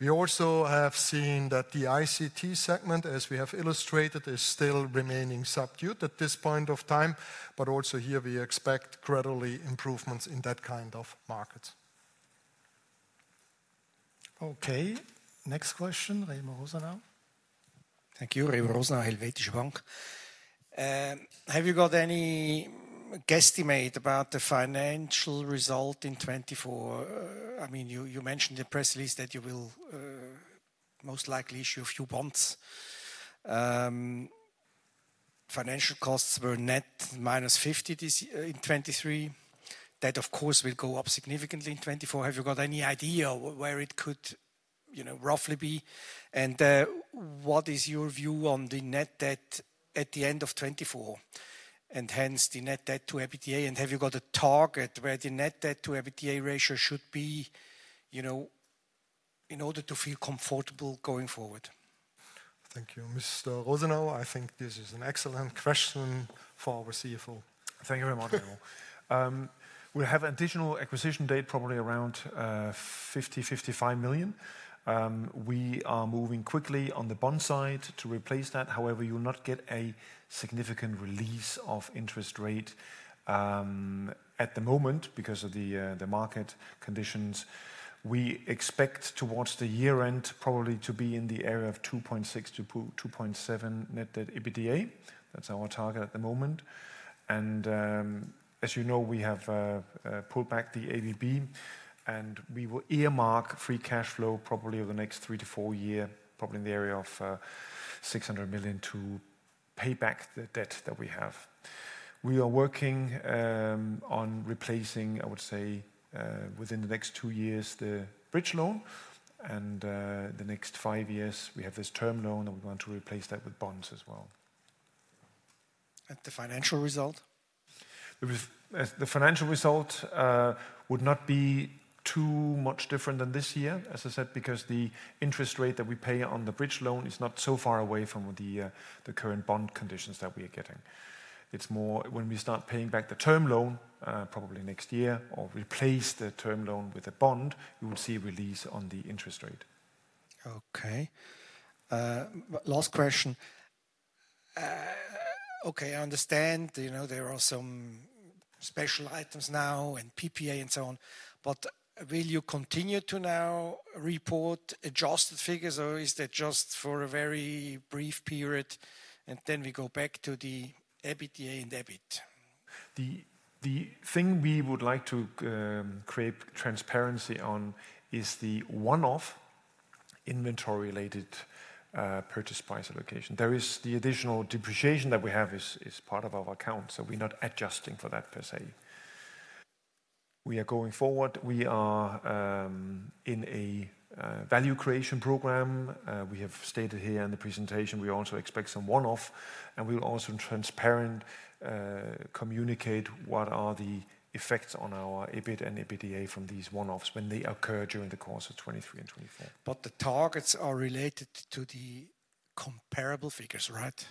We also have seen that the ICT segment, as we have illustrated, is still remaining subdued at this point of time, but also here we expect gradually improvements in that kind of market. Okay, next question. Remo Rosenau. Thank you. Remo Rosenau, Helvetische Bank. Have you got any guesstimate about the financial result in 2024? I mean, you mentioned in the press release that you will,... most likely issue a few bonds. Financial costs were net -50 in 2023. That, of course, will go up significantly in 2024. Have you got any idea where it could, you know, roughly be? And what is your view on the net debt at the end of 2024, and hence the net debt to EBITDA? And have you got a target where the net debt to EBITDA ratio should be, you know, in order to feel comfortable going forward? Thank you, Mr. Rosenau. I think this is an excellent question for our CFO. Thank you very much, Mads. We have additional acquisition debt, probably around 50-55 million. We are moving quickly on the bond side to replace that. However, you will not get a significant release of interest rate at the moment because of the market conditions. We expect towards the year-end, probably to be in the area of 2.6-2.7 net debt EBITDA. That's our target at the moment. And, as you know, we have pulled back the ABB, and we will earmark free cash flow probably over the next 3-4 years, probably in the area of 600 million, to pay back the debt that we have. We are working on replacing, I would say, within the next 2 years, the bridge loan, and the next 5 years, we have this term loan, and we want to replace that with bonds as well. The financial result? The financial result would not be too much different than this year, as I said, because the interest rate that we pay on the bridge loan is not so far away from the current bond conditions that we are getting. It's more when we start paying back the term loan, probably next year, or replace the term loan with a bond, you will see a release on the interest rate. Okay. Last question. Okay, I understand, you know, there are some special items now and PPA and so on, but will you continue to now report adjusted figures, or is that just for a very brief period, and then we go back to the EBITDA and EBIT? The thing we would like to create transparency on is the one-off inventory related purchase price allocation. There is the additional depreciation that we have is part of our account, so we're not adjusting for that per se. We are going forward. We are in a value creation program. We have stated here in the presentation, we also expect some one-off, and we'll also transparent communicate what are the effects on our EBIT and EBITDA from these one-offs when they occur during the course of 2023 and 2024. But the targets are related to the comparable figures, right?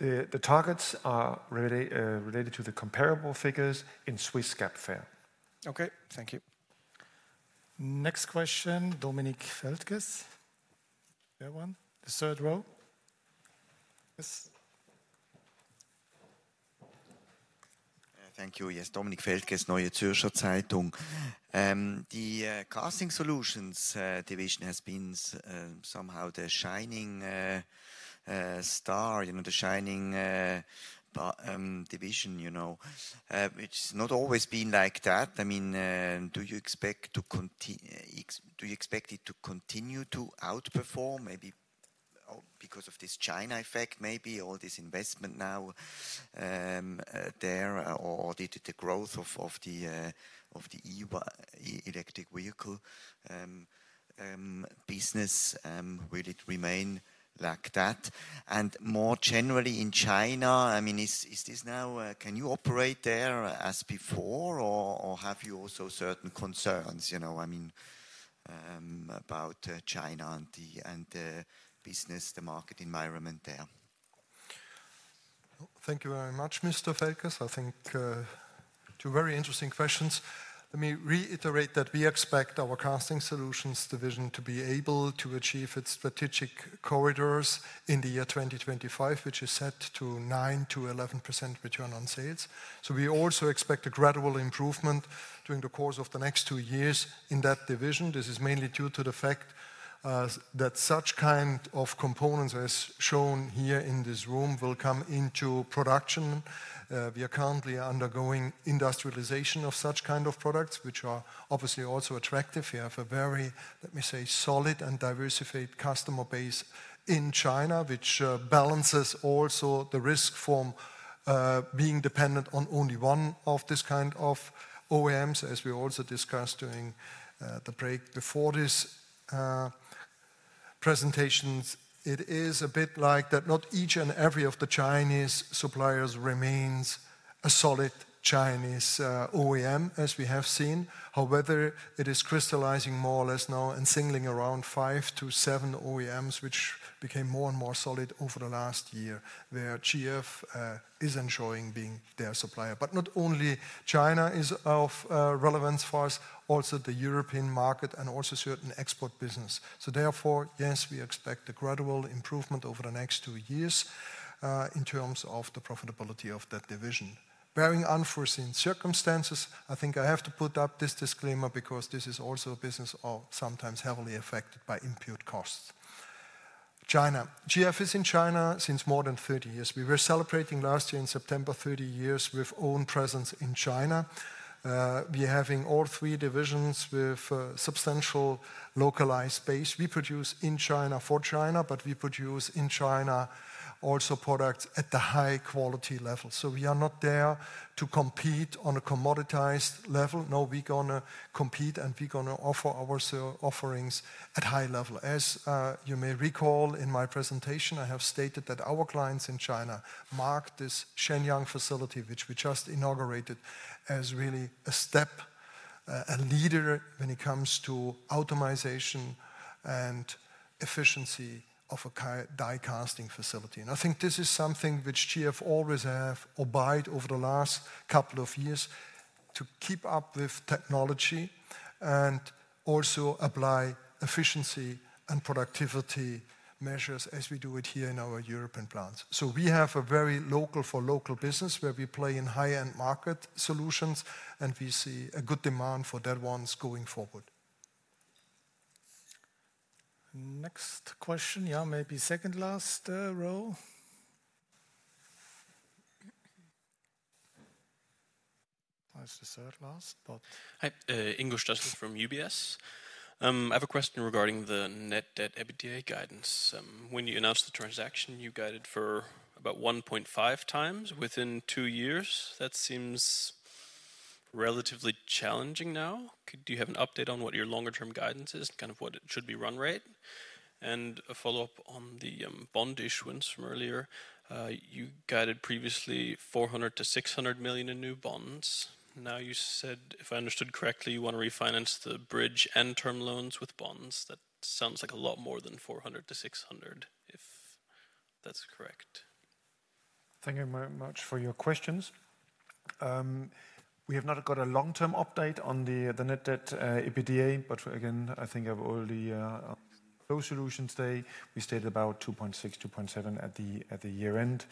The targets are related to the comparable figures in Swiss GAAP FER. Okay, thank you. Next question, Dominik Feldges. Yeah, one. The third row. Yes. Thank you. Yes. Dominik Feldges, Neue Zürcher Zeitung. The Casting Solutions division has been somehow the shining star, you know, the shining division, you know. It's not always been like that. I mean, do you expect it to continue to outperform, maybe, because of this China effect, maybe, all this investment now there, or the growth of the electric vehicle business? Will it remain like that? And more generally, in China, I mean, is this now, can you operate there as before, or have you also certain concerns, you know, I mean, about China and the business, the market environment there? Thank you very much, Mr. Feldges. I think two very interesting questions. Let me reiterate that we expect our Casting Solutions division to be able to achieve its strategic corridors in the year 2025, which is set to 9%-11% return on sales. So we also expect a gradual improvement during the course of the next two years in that division. This is mainly due to the fact that such kind of components, as shown here in this room, will come into production. We are currently undergoing industrialization of such kind of products, which are obviously also attractive. We have a very, let me say, solid and diversified customer base in China, which balances also the risk from being dependent on only one of this kind of OEMs, as we also discussed during the break before this presentations. It is a bit like that. Not each and every of the Chinese suppliers remains a solid Chinese OEM, as we have seen. However, it is crystallizing more or less now and singling around 5-7 OEMs, which became more and more solid over the last year, where GF is enjoying being their supplier. But not only China is of relevance for us, also the European market and also certain export business. So therefore, yes, we expect a gradual improvement over the next two years in terms of the profitability of that division. Barring unforeseen circumstances, I think I have to put up this disclaimer because this is also a business of sometimes heavily affected by input costs. China. GF is in China since more than 30 years. We were celebrating last year in September, 30 years with own presence in China. We're having all three divisions with substantial localized base. We produce in China for China, but we produce in China also products at the high-quality level. So we are not there to compete on a commoditized level. No, we're gonna compete, and we're gonna offer our sale offerings at high level. As you may recall in my presentation, I have stated that our clients in China mark this Shenyang facility, which we just inaugurated, as really a step, a leader when it comes to automation and efficiency of a die casting facility. And I think this is something which GF always have abide over the last couple of years, to keep up with technology and also apply efficiency and productivity measures as we do it here in our European plants. So we have a very local-for-local business, where we play in high-end market solutions, and we see a good demand for that ones going forward. Next question. Yeah, maybe second last, row. Or is the third last, but- Hi, Ingo-Martin Schachel from UBS. I have a question regarding the net debt EBITDA guidance. When you announced the transaction, you guided for about 1.5x within two years. That seems relatively challenging now. Do you have an update on what your longer-term guidance is, kind of what it should be run rate? And a follow-up on the bond issuance from earlier. You guided previously 400 million-600 million in new bonds. Now, you said, if I understood correctly, you want to refinance the bridge and term loans with bonds. That sounds like a lot more than 400 million-600 million, if that's correct. Thank you very much for your questions. We have not got a long-term update on the net debt, EBITDA, but again, I think I've already Flow Solutions Day, we stayed about 2.6-2.7 at the year-end.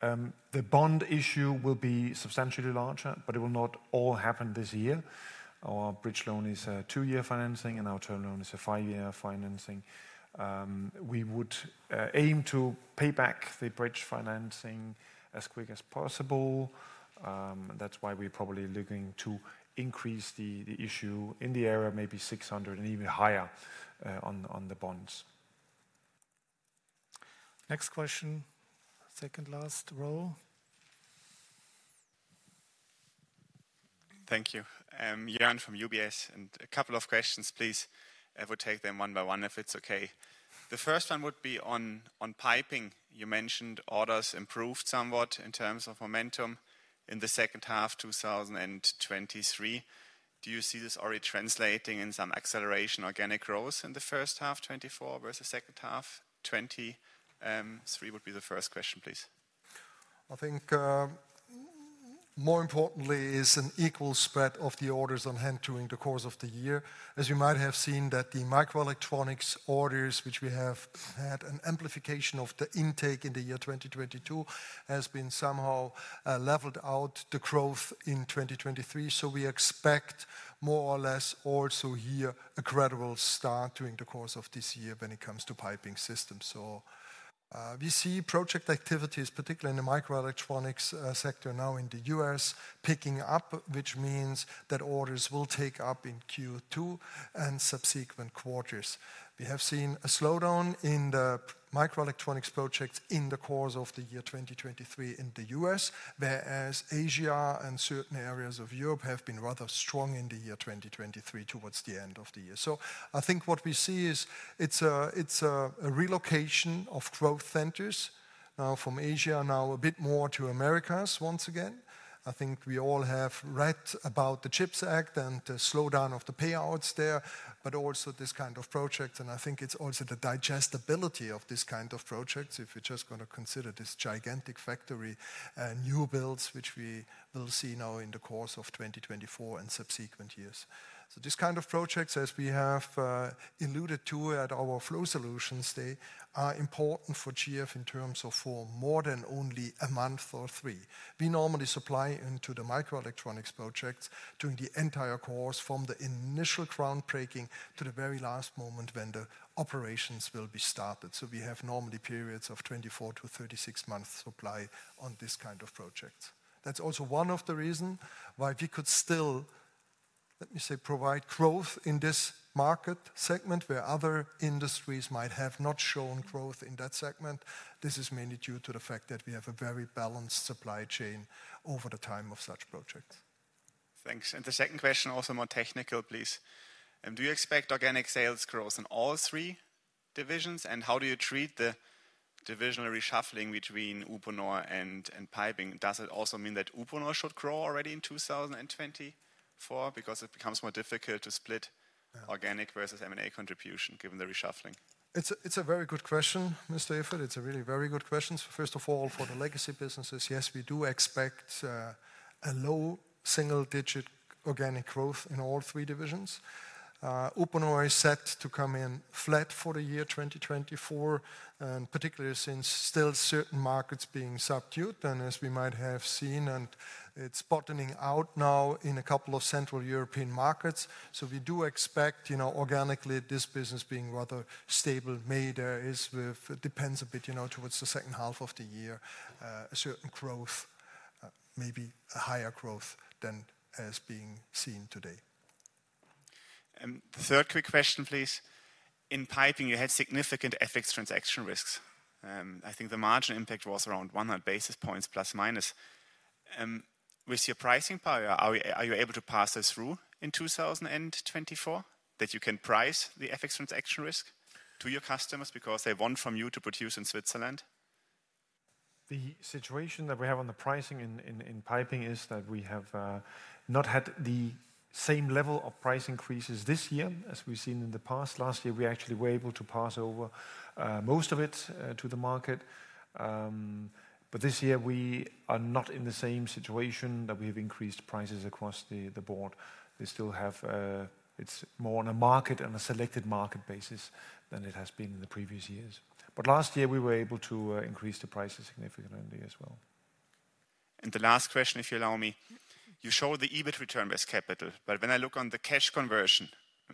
The bond issue will be substantially larger, but it will not all happen this year. Our bridge loan is a 2-year financing, and our term loan is a 5-year financing. We would aim to pay back the bridge financing as quick as possible. That's why we're probably looking to increase the issue in the area of maybe 600 and even higher on the bonds. Next question, second last row. Thank you. Jörn from UBS, and a couple of questions, please. I will take them one by one, if it's okay. The first one would be on, on piping. You mentioned orders improved somewhat in terms of momentum in the second half, 2023. Do you see this already translating in some acceleration organic growth in the first half, 2024, versus second half, 2023 would be the first question, please. I think, more importantly is an equal spread of the orders on hand during the course of the year. As you might have seen, that the microelectronics orders, which we have had an amplification of the intake in the year 2022, has been somehow leveled out the growth in 2023. So we expect more or less also here, a credible start during the course of this year when it coming to piping systems. So, we see project activities, particularly in the microelectronics sector now in the U.S., picking up, which means that orders will take up in Q2 and subsequent quarters. We have seen a slowdown in the microelectronics projects in the course of the year 2023 in the U.S., whereas Asia and certain areas of Europe have been rather strong in the year 2023, towards the end of the year. So I think what we see is it's a relocation of growth centers from Asia now a bit more to Americas once again. I think we all have read about the CHIPS Act and the slowdown of the payouts there, but also this kind of project, and I think it's also the digestibility of this kind of projects, if you're just gonna consider this gigantic factory new builds, which we will see now in the course of 2024 and subsequent years. So this kind of projects, as we have alluded to at our Flow Solutions day, are important for GF in terms of for more than only a month or three. We normally supply into the microelectronics projects during the entire course, from the initial groundbreaking to the very last moment when the operations will be started. So we have normally periods of 24-36 months supply on this kind of projects. That's also one of the reason why we could still, let me say, provide growth in this market segment where other industries might have not shown growth in that segment. This is mainly due to the fact that we have a very balanced supply chain over the time of such projects. Thanks. And the second question, also more technical, please. Do you expect organic sales growth in all three divisions? And how do you treat the divisional reshuffling between Uponor and, and piping? Does it also mean that Uponor should grow already in 2024? Because it becomes more difficult to split organic versus M&A contribution, given the reshuffling. It's a very good question, Mr. Iffert. It's a really very good question. First of all, for the legacy businesses, yes, we do expect a low single-digit organic growth in all three divisions. Uponor is set to come in flat for the year 2024, and particularly since still certain markets being subdued and as we might have seen, and it's bottoming out now in a couple of central European markets. So we do expect, you know, organically, this business being rather stable. Depends a bit, you know, towards the second half of the year, maybe a higher growth than is being seen today. The third quick question, please. In Piping, you had significant FX transaction risks. I think the margin impact was around 100 basis points, plus or minus. With your pricing power, are you able to pass this through in 2024, that you can price the FX transaction risk to your customers because they want from you to produce in Switzerland? The situation that we have on the pricing in Piping is that we have not had the same level of price increases this year as we've seen in the past. Last year, we actually were able to pass over most of it to the market. But this year we are not in the same situation, that we've increased prices across the board. We still have. It's more on a market, on a selected market basis, than it has been in the previous years. But last year we were able to increase the prices significantly as well. The last question, if you allow me: You show the EBIT return on risk capital, but when I look on the cash conversion,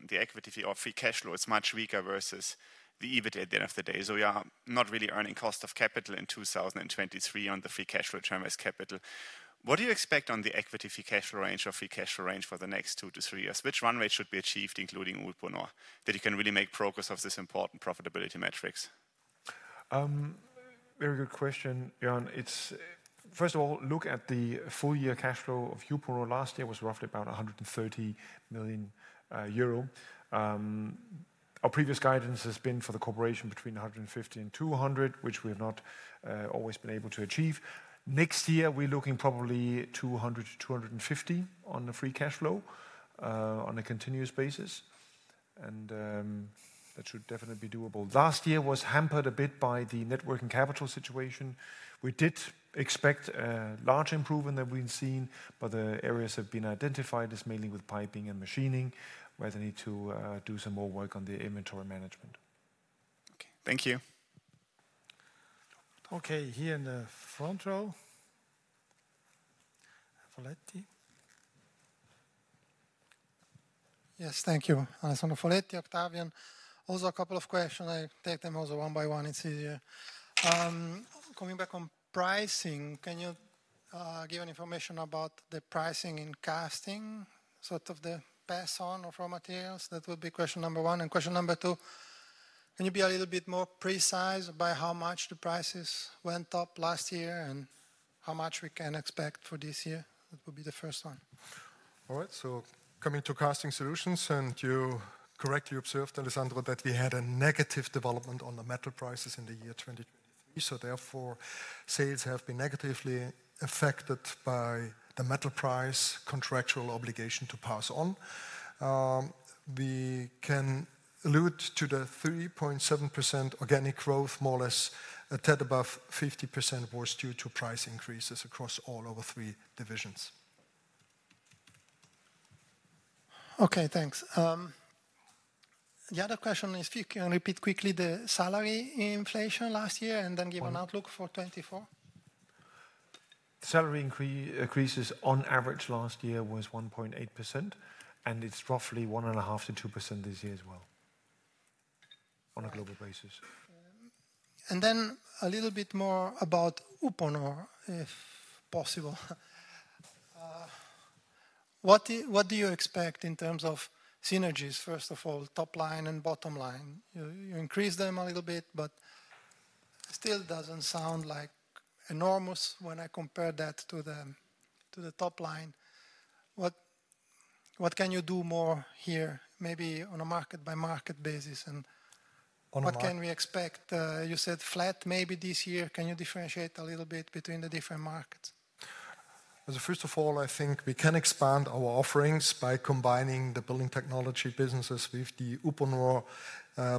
the equity or free cash flow is much weaker versus the EBIT at the end of the day. So you are not really earning cost of capital in 2023 on the free cash flow return on risk capital. What do you expect on the equity free cash flow range or free cash flow range for the next 2-3 years? Which run rate should be achieved, including Uponor, that you can really make progress of this important profitability metrics? Very good question, Jörn. First of all, look at the full year cash flow of Uponor last year was roughly about 130 million euro. Our previous guidance has been for the corporation between 150 million and 200 million, which we have not always been able to achieve. Next year, we're looking probably 200 million to 250 million on the free cash flow on a continuous basis, and that should definitely be doable. Last year was hampered a bit by the net working capital situation. We did expect a large improvement that we've seen, but the areas have been identified as mainly with piping and machining, where they need to do some more work on the inventory management. Okay. Thank you. Okay, here in the front row. Foletti. Yes. Thank you. Alessandro Foletti, Octavian. Also, a couple of questions. I take them also one by one, it's easier. Coming back on pricing, can you give any information about the pricing in Casting, sort of the pass-on of raw materials? That would be question number one. And question number two: Can you be a little bit more precise by how much the prices went up last year and how much we can expect for this year? That would be the first one. All right. So coming to Casting Solutions, and you correctly observed, Alessandro, that we had a negative development on the metal prices in the year 2023, so therefore, sales have been negatively affected by the metal price contractual obligation to pass on. We can allude to the 3.7% organic growth, more or less, a tad above 50% was due to price increases across all our three divisions. Okay, thanks. The other question is, if you can repeat quickly the salary inflation last year and then give an outlook for 2024. Salary increases on average last year was 1.8%, and it's roughly 1.5%-2% this year as well, on a global basis. And then a little bit more about Uponor, if possible. What do you expect in terms of synergies, first of all, top line and bottom line? You increased them a little bit, but still doesn't sound like enormous when I compare that to the top line. What can you do more here, maybe on a market-by-market basis, and- On a mark- What can we expect? You said flat maybe this year. Can you differentiate a little bit between the different markets? So first of all, I think we can expand our offerings by combining the building technology businesses with the Uponor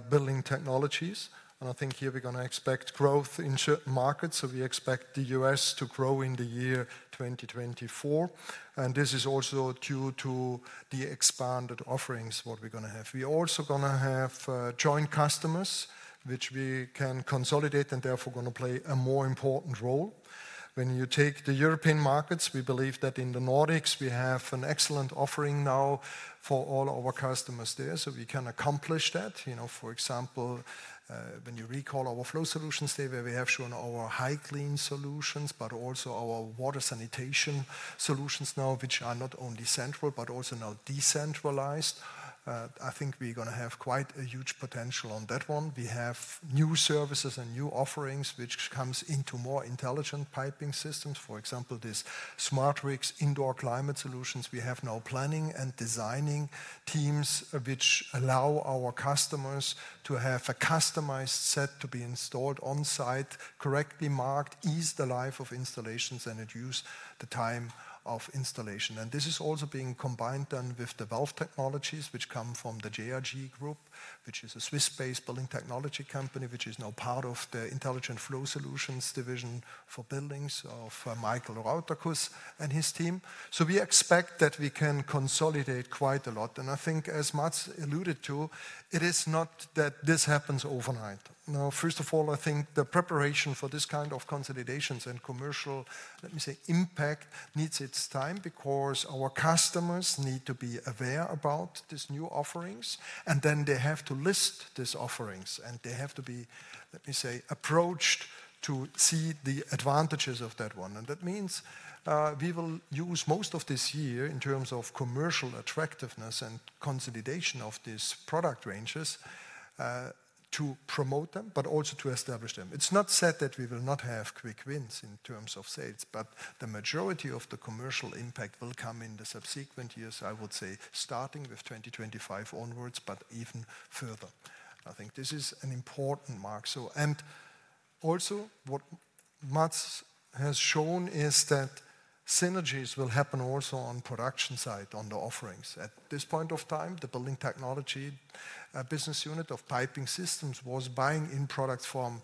building technologies. And I think here we're gonna expect growth in certain markets, so we expect the US to grow in the year 2024, and this is also due to the expanded offerings what we're gonna have. We're also gonna have joint customers, which we can consolidate and therefore gonna play a more important role. When you take the European markets, we believe that in the Nordics, we have an excellent offering now for all our customers there, so we can accomplish that. You know, for example, when you recall our flow solutions there, where we have shown our Hycleen solutions, but also our water sanitation solutions now, which are not only central, but also now decentralized. I think we're gonna have quite a huge potential on that one. We have new services and new offerings, which comes into more intelligent piping systems. For example, this Smatrix indoor climate solutions. We have now planning and designing teams which allow our customers to have a customized set to be installed on-site, correctly marked, ease the life of installations, and reduce the time of installation. And this is also being combined then with the valve technologies, which come from the JRG Group, which is a Swiss-based building technology company, which is now part of the Intelligent Flow Solutions division for buildings of Michael Rauterkus and his team. So we expect that we can consolidate quite a lot. And I think as Mads alluded to, it is not that this happens overnight. No, first of all, I think the preparation for this kind of consolidations and commercial, let me say, impact needs its time because our customers need to be aware about these new offerings, and then they have to list these offerings, and they have to be, let me say, approached to see the advantages of that one. And that means, we will use most of this year in terms of commercial attractiveness and consolidation of these product ranges, to promote them, but also to establish them. It's not said that we will not have quick wins in terms of sales, but the majority of the commercial impact will come in the subsequent years, I would say, starting with 2025 onwards, but even further. I think this is an important mark. Also what Mads has shown is that synergies will happen also on production side, on the offerings. At this point of time, the building technology business unit of piping systems was buying in products from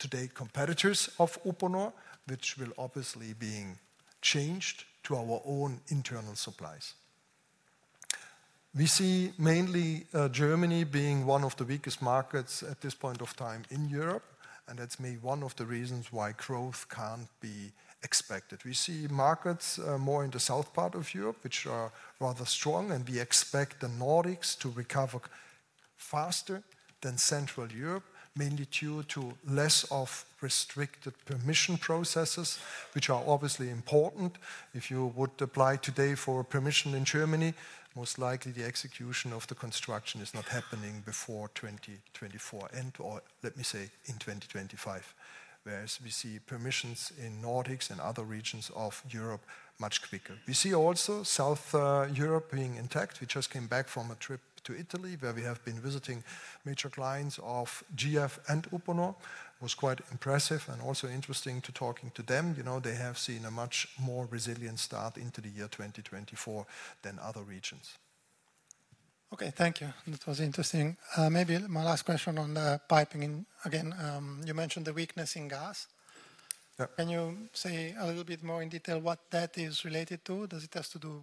today competitors of Uponor, which will obviously being changed to our own internal supplies. We see mainly Germany being one of the weakest markets at this point of time in Europe, and that's mainly one of the reasons why growth can't be expected. We see markets more in the south part of Europe, which are rather strong, and we expect the Nordics to recover faster than Central Europe, mainly due to less of restricted permission processes, which are obviously important. If you would apply today for permission in Germany, most likely the execution of the construction is not happening before 2024 and or, let me say, in 2025. Whereas we see permissions in Nordics and other regions of Europe much quicker. We see also South Europe being intact. We just came back from a trip to Italy, where we have been visiting major clients of GF and Uponor. It was quite impressive and also interesting to talking to them. You know, they have seen a much more resilient start into the year 2024 than other regions. Okay, thank you. That was interesting. Maybe my last question on the piping. And again, you mentioned the weakness in gas. Yeah. Can you say a little bit more in detail what that is related to? Does it has to do-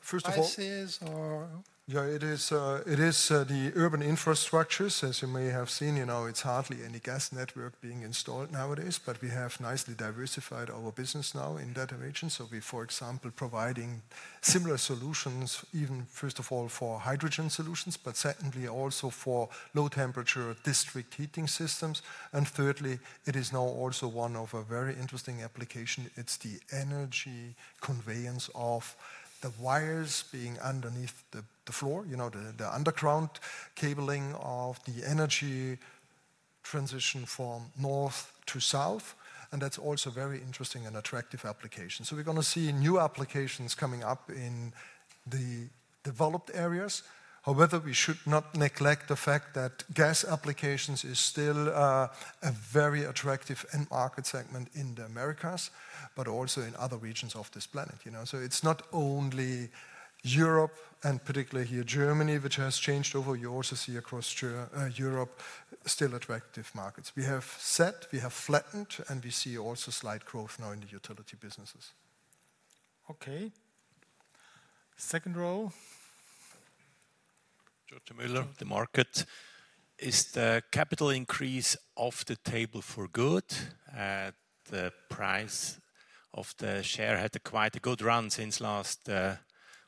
First of all- Prices or? Yeah, it is, it is, the urban infrastructures. As you may have seen, you know, it's hardly any gas network being installed nowadays, but we have nicely diversified our business now in that region. So we, for example, providing similar solutions, even first of all, for hydrogen solutions, but secondly, also for low-temperature district heating systems. And thirdly, it is now also one of a very interesting application. It's the energy conveyance of the wires being underneath the floor, you know, the underground cabling of the energy transition from north to south, and that's also very interesting and attractive application. So we're gonna see new applications coming up in the developed areas. However, we should not neglect the fact that gas applications is still a very attractive end market segment in the Americas, but also in other regions of this planet, you know? So it's not only Europe and particularly here, Germany, which has changed over years to see across Europe, still attractive markets. We have set, we have flattened, and we see also slight growth now in the utility businesses. Okay. Second row. Giorgio Müller, The Market. Is the capital increase off the table for good? The price of the share had quite a good run since last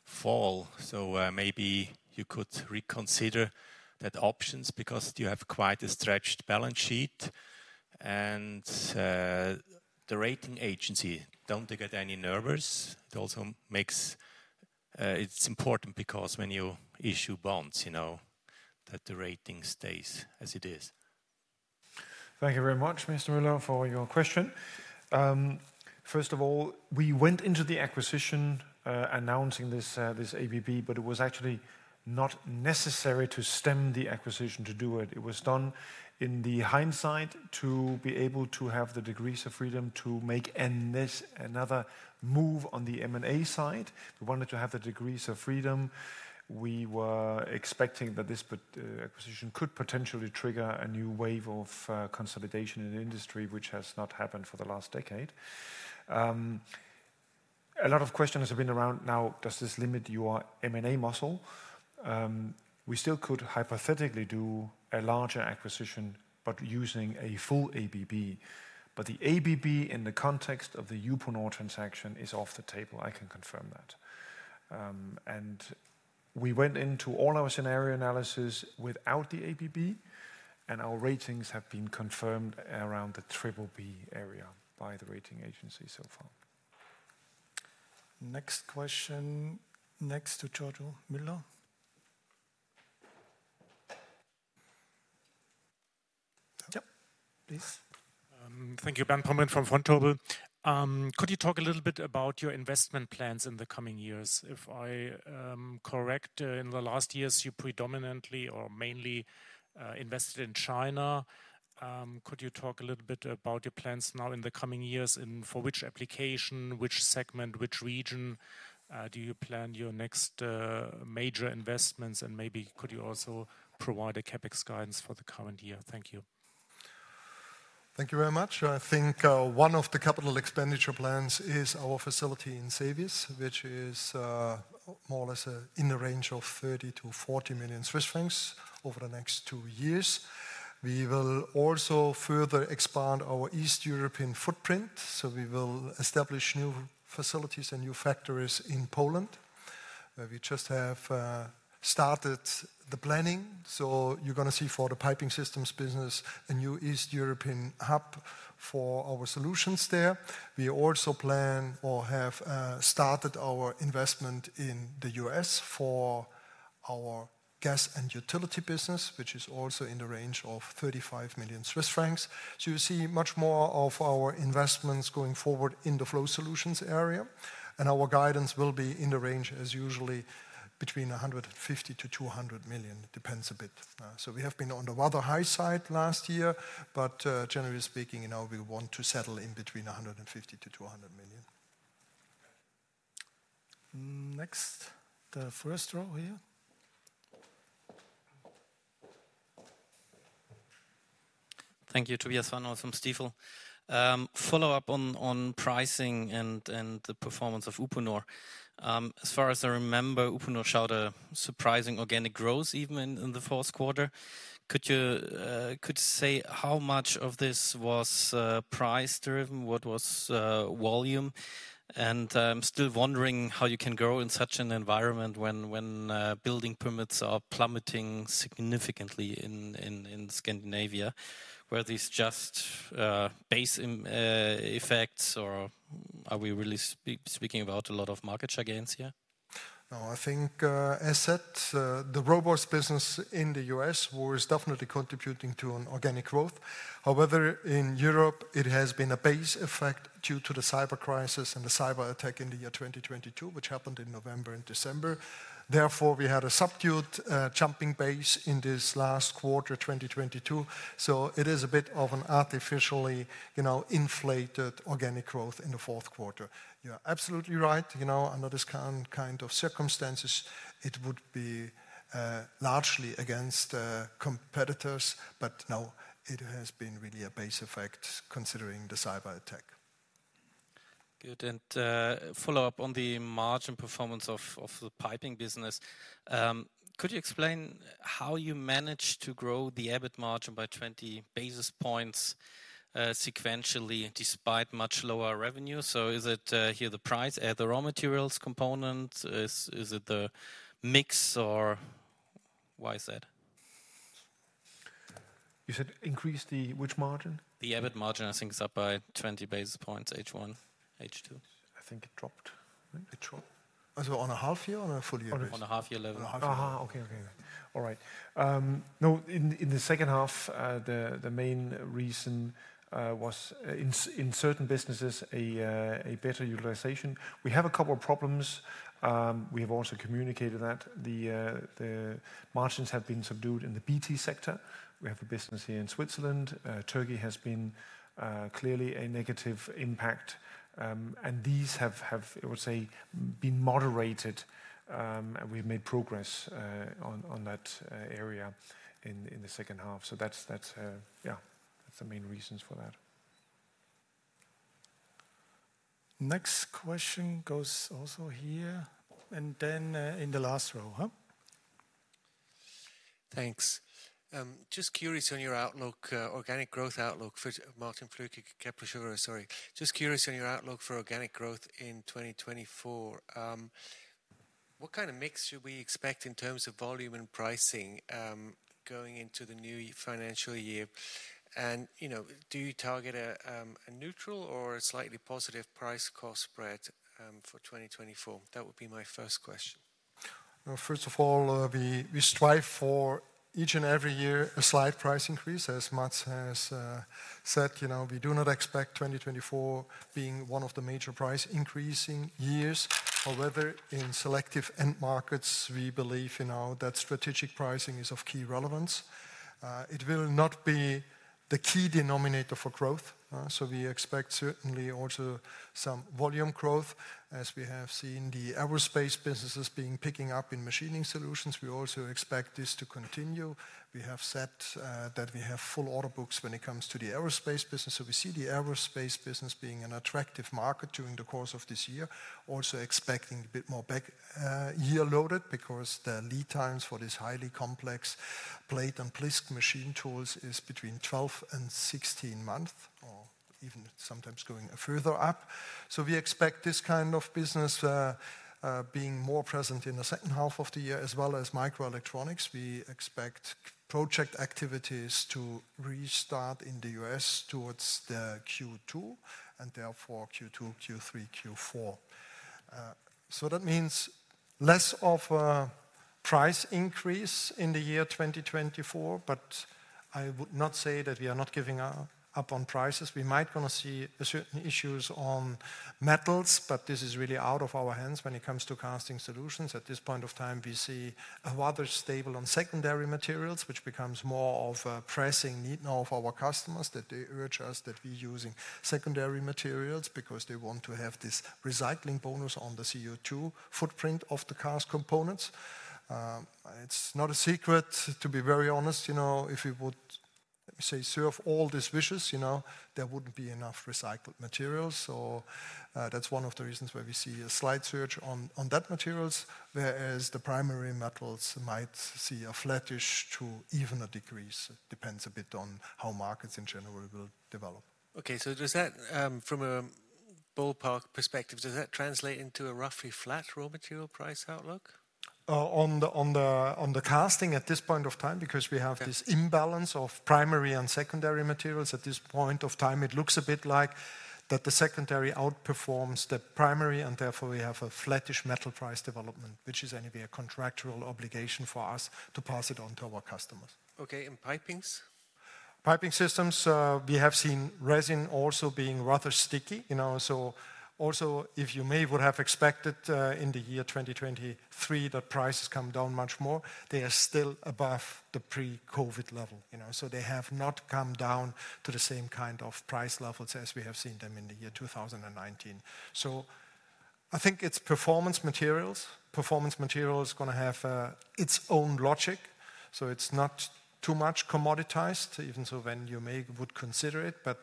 fall, so maybe you could reconsider that option because you have quite a stretched balance sheet. And the rating agency, don't they get nervous? It also makes... It's important because when you issue bonds, you know, that the rating stays as it is. Thank you very much, Mr. Müller, for your question. First of all, we went into the acquisition announcing this ABB, but it was actually not necessary to stem the acquisition to do it. It was done in hindsight to be able to have the degrees of freedom to make another move on the M&A side. We wanted to have the degrees of freedom. We were expecting that this acquisition could potentially trigger a new wave of consolidation in the industry, which has not happened for the last decade. A lot of questions have been around now: Does this limit your M&A muscle? We still could hypothetically do a larger acquisition, but using a full ABB. But the ABB, in the context of the Uponor transaction, is off the table. I can confirm that. We went into all our scenario analysis without the ABB, and our ratings have been confirmed around the triple B area by the rating agency so far. Next question, next to Giorgio Müller. Yep, please. Thank you. Bernd Pomrehn from Vontobel. Could you talk a little bit about your investment plans in the coming years? If I'm correct, in the last years, you predominantly or mainly invested in China. Could you talk a little bit about your plans now in the coming years, and for which application, which segment, which region do you plan your next major investments? And maybe could you also provide a CapEx guidance for the current year? Thank you. Thank you very much. I think, one of the capital expenditure plans is our facility in Seewis, which is, more or less, in the range of 30 million-40 million Swiss francs over the next 2 years. We will also further expand our East European footprint, so we will establish new facilities and new factories in Poland.... we just have, started the planning, so you're gonna see for the piping systems business, a new East European hub for our solutions there. We also plan or have, started our investment in the US for our gas and utility business, which is also in the range of 35 million Swiss francs. So you see much more of our investments going forward in the flow solutions area, and our guidance will be in the range as usually between 150 million-200 million. Depends a bit. So we have been on the rather high side last year, but, generally speaking, you know, we want to settle in between 150 million-200 million. Next, the first row here. Thank you. Tobias Fahrenholz from Stifel. Follow-up on pricing and the performance of Uponor. As far as I remember, Uponor showed a surprising organic growth even in the fourth quarter. Could you say how much of this was price-driven, what was volume? And I'm still wondering how you can grow in such an environment when building permits are plummeting significantly in Scandinavia. Were these just base effects, or are we really speaking about a lot of market share gains here? No, I think, as said, the robust business in the U.S. was definitely contributing to an organic growth. However, in Europe, it has been a base effect due to the cyber crisis and the cyberattack in the year 2022, which happened in November and December. Therefore, we had a subdued, jumping base in this last quarter, 2022, so it is a bit of an artificially, you know, inflated organic growth in the fourth quarter. You're absolutely right, you know, under this kind of circumstances, it would be, largely against, competitors, but no, it has been really a base effect considering the cyberattack. Good, and, follow-up on the margin performance of the piping business. Could you explain how you managed to grow the EBIT margin by 20 basis points sequentially, despite much lower revenue? So is it here, the price, the raw materials component? Is it the mix, or why is that? You said increase the which margin? The EBIT margin, I think, is up by 20 basis points, H1, H2. I think it dropped. It dropped. Oh, so on a half year or a full year basis? On a half year level. On a half year. Ah, okay, okay. All right. No, in the second half, the main reason was in certain businesses a better utilization. We have a couple of problems. We have also communicated that the margins have been subdued in the BT sector. We have a business here in Switzerland. Turkey has been clearly a negative impact, and these have, I would say, been moderated, and we've made progress on that area in the second half. So that's... yeah, that's the main reasons for that. Next question goes also here, and then in the last row, huh? Thanks. Just curious on your outlook, organic growth outlook for Martin Flückiger, Kepler Cheuvreux, sorry. Just curious on your outlook for organic growth in 2024. What kind of mix should we expect in terms of volume and pricing, going into the new financial year? And, you know, do you target a neutral or a slightly positive price cost spread, for 2024? That would be my first question. Well, first of all, we, we strive for each and every year a slight price increase. As Mads has said, you know, we do not expect 2024 being one of the major price increasing years. However, in selective end markets, we believe, you know, that strategic pricing is of key relevance. It will not be the key denominator for growth, so we expect certainly also some volume growth. As we have seen the aerospace businesses being picking up in machining solutions, we also expect this to continue. We have said that we have full order books when it comes to the aerospace business, so we see the aerospace business being an attractive market during the course of this year. Also expecting a bit more back-end loaded, because the lead times for this highly complex plate and blisk machine tools is between 12 and 16 months, or even sometimes going further up. So we expect this kind of business being more present in the second half of the year, as well as microelectronics. We expect project activities to restart in the U.S. towards the Q2, and therefore Q2, Q3, Q4. So that means less of a price increase in the year 2024, but I would not say that we are not giving up on prices. We might gonna see certain issues on metals, but this is really out of our hands when it comes to casting solutions. At this point of time, we see a rather stable on secondary materials, which becomes more of a pressing need now of our customers, that they urge us that we using secondary materials because they want to have this recycling bonus on the CO2 footprint of the cast components. It's not a secret, to be very honest, you know, if you would, let me say, serve all these wishes, you know, there wouldn't be enough recycled materials. So, that's one of the reasons why we see a slight surge on that materials, whereas the primary metals might see a flattish to even a decrease. It depends a bit on how markets in general will develop. Okay, so does that, from a ballpark perspective, does that translate into a roughly flat raw material price outlook? On the casting at this point of time, because we have- Yeah This imbalance of primary and secondary materials, at this point of time, it looks a bit like that the secondary outperforms the primary, and therefore we have a flattish metal price development, which is anyway a contractual obligation for us to pass it on to our customers. Okay, and pipings? Piping systems, we have seen resin also being rather sticky, you know? So also, if you may, would have expected, in the year 2023, the prices come down much more. They are still above the pre-COVID level, you know, so they have not come down to the same kind of price levels as we have seen them in the year 2019. So I think it's performance materials. Performance material is gonna have, its own logic, so it's not too much commoditized, even so when you may would consider it. But,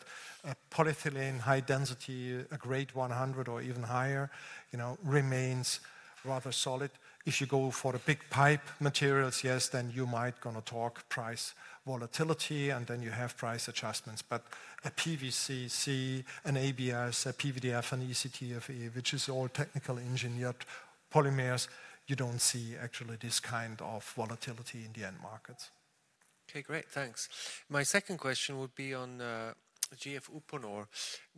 polyethylene high density, a grade 100 or even higher, you know, remains rather solid. If you go for the big pipe materials, yes, then you might gonna talk price volatility, and then you have price adjustments. But a PVC-C, an ABS, a PVDF, an ECTFE, which is all technical engineered polymers, you don't see actually this kind of volatility in the end markets. Okay, great. Thanks. My second question would be on GF Machining.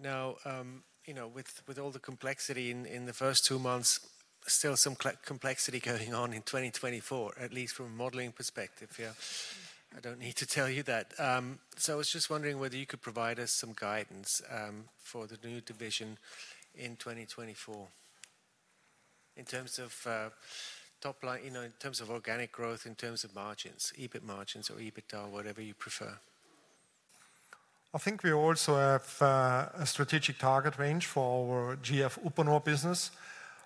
Now, you know, with all the complexity in the first two months, still some complexity going on in 2024, at least from a modeling perspective, yeah? I don't need to tell you that. So I was just wondering whether you could provide us some guidance for the new division in 2024 in terms of top line, you know, in terms of organic growth, in terms of margins, EBIT margins or EBITDA, whatever you prefer. I think we also have a strategic target range for our GF Machining business.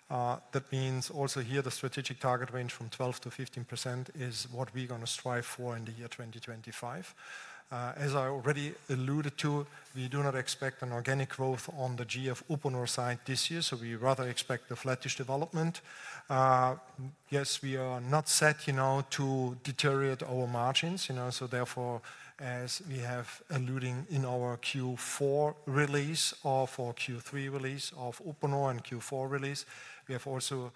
That means also here, the strategic target range from 12%-15% is what we're gonna strive for in the year 2025. As I already alluded to, we do not expect an organic growth on the GF Machining side this year, so we rather expect a flattish development. Yes, we are not set, you know, to deteriorate our margins, you know, so therefore, as we have alluding in our Q4 release or for Q3 release of GF Machining and Q4 release, we have also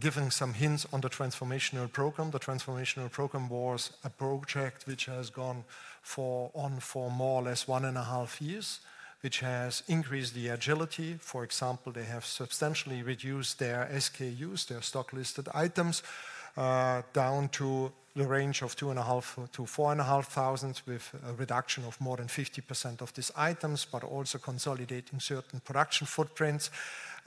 given some hints on the transformational program. The transformational program was a project which has gone for... on for more or less one and a half years, which has increased the agility. For example, they have substantially reduced their SKUs, their stock-keeping units, down to the range of 2,500-4,500, with a reduction of more than 50% of these items, but also consolidating certain production footprints.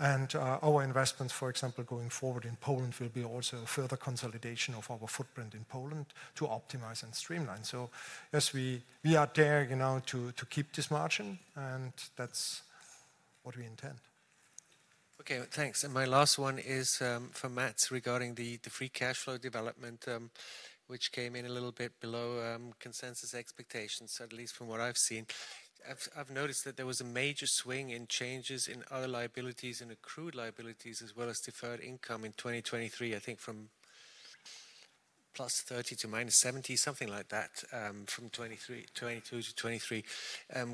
Our investments, for example, going forward in Poland, will be also a further consolidation of our footprint in Poland to optimize and streamline. So yes, we are there, you know, to keep this margin, and that's what we intend. Okay, thanks. And my last one is for Mats regarding the free cash flow development, which came in a little bit below consensus expectations, at least from what I've seen. I've noticed that there was a major swing in changes in other liabilities and accrued liabilities, as well as deferred income in 2023, I think from +30 to -70, something like that, from 2023, 2022 to 2023.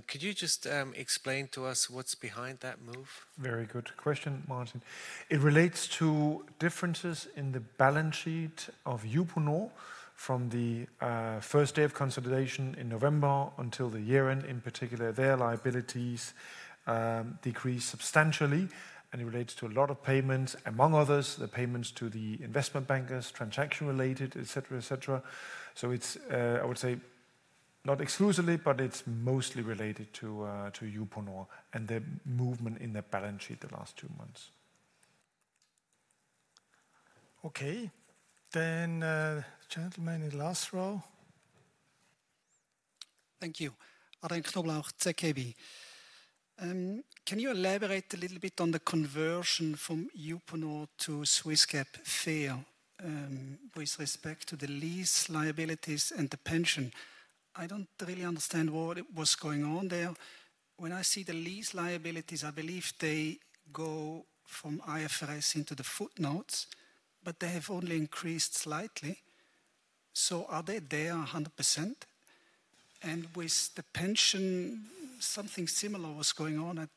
Could you just explain to us what's behind that move? Very good question, Martin. It relates to differences in the balance sheet of GF Uponor from the first day of consolidation in November until the year-end. In particular, their liabilities decreased substantially, and it relates to a lot of payments, among others, the payments to the investment bankers, transaction-related, et cetera, et cetera. So it's, I would say not exclusively, but it's mostly related to GF Uponor and the movement in their balance sheet the last two months. Okay, then, gentleman in last row. Thank you. Adrian Knoblauch, ZKB. Can you elaborate a little bit on the conversion from IFRS to Swiss GAAP FER, with respect to the lease liabilities and the pension? I don't really understand what was going on there. When I see the lease liabilities, I believe they go from IFRS into the footnotes, but they have only increased slightly. So are they there 100%? And with the pension, something similar was going on.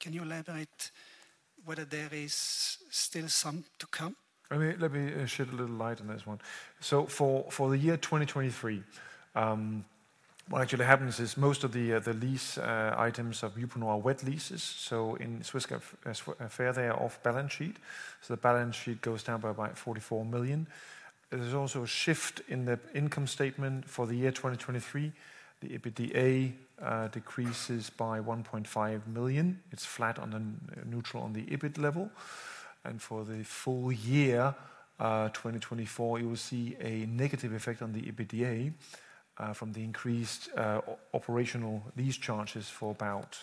Can you elaborate whether there is still some to come? Let me shed a little light on this one. So for the year 2023, what actually happens is most of the lease items of GF Machining are wet leases, so in Swiss GAAP FER, they are off balance sheet, so the balance sheet goes down by about 44 million. There's also a shift in the income statement for the year 2023. The EBITDA decreases by 1.5 million. It's flat on the neutral on the EBIT level. And for the full year 2024, you will see a negative effect on the EBITDA from the increased operational lease charges for about,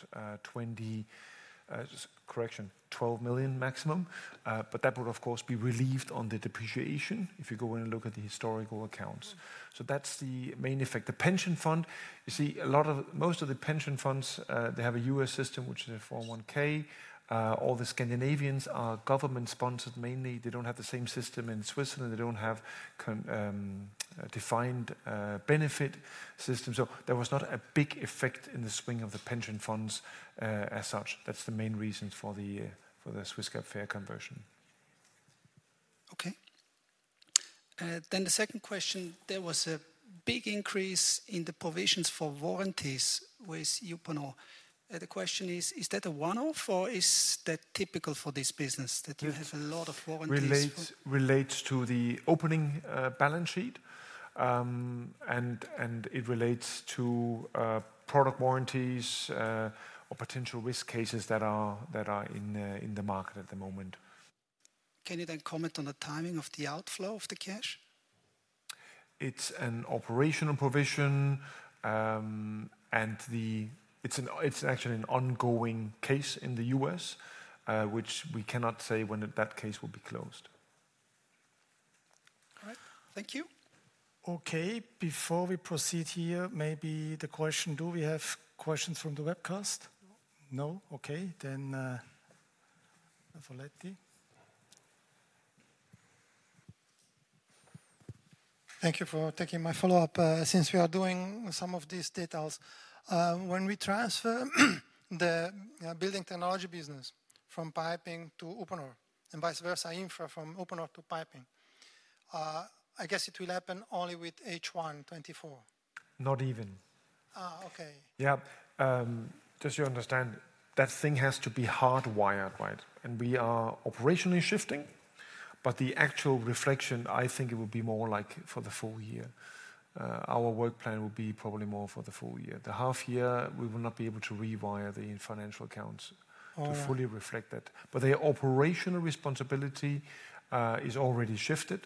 correction, 12 million maximum. But that would of course be relieved on the depreciation if you go in and look at the historical accounts. So that's the main effect. The pension fund, you see, a lot of—most of the pension funds, they have a U.S. system, which is a 401(k). All the Scandinavians are government-sponsored mainly. They don't have the same system in Switzerland. They don't have a defined benefit system. So there was not a big effect in the swing of the pension funds, as such. That's the main reasons for the Swiss GAAP FER conversion.... Okay. Then the second question: There was a big increase in the provisions for warranties with Uponor. The question is, is that a one-off or is that typical for this business, that you have a lot of warranties for? Relates to the opening balance sheet. It relates to product warranties or potential risk cases that are in the market at the moment. Can you then comment on the timing of the outflow of the cash? It's an operational provision. It's actually an ongoing case in the U.S., which we cannot say when that case will be closed. All right. Thank you. Okay, before we proceed here, maybe the question: Do we have questions from the webcast? No. Okay, then, Foletti. Thank you for taking my follow-up. Since we are doing some of these details, when we transfer the building technology business from Piping to Uponor and vice versa, Infra from Uponor to Piping, I guess it will happen only with H1 2024. Not even. Ah, okay. Yeah. Just you understand, that thing has to be hardwired, right? And we are operationally shifting, but the actual reflection, I think it will be more like for the full year. Our work plan will be probably more for the full year. The half year, we will not be able to rewire the financial accounts- Oh. to fully reflect that. But the operational responsibility is already shifted.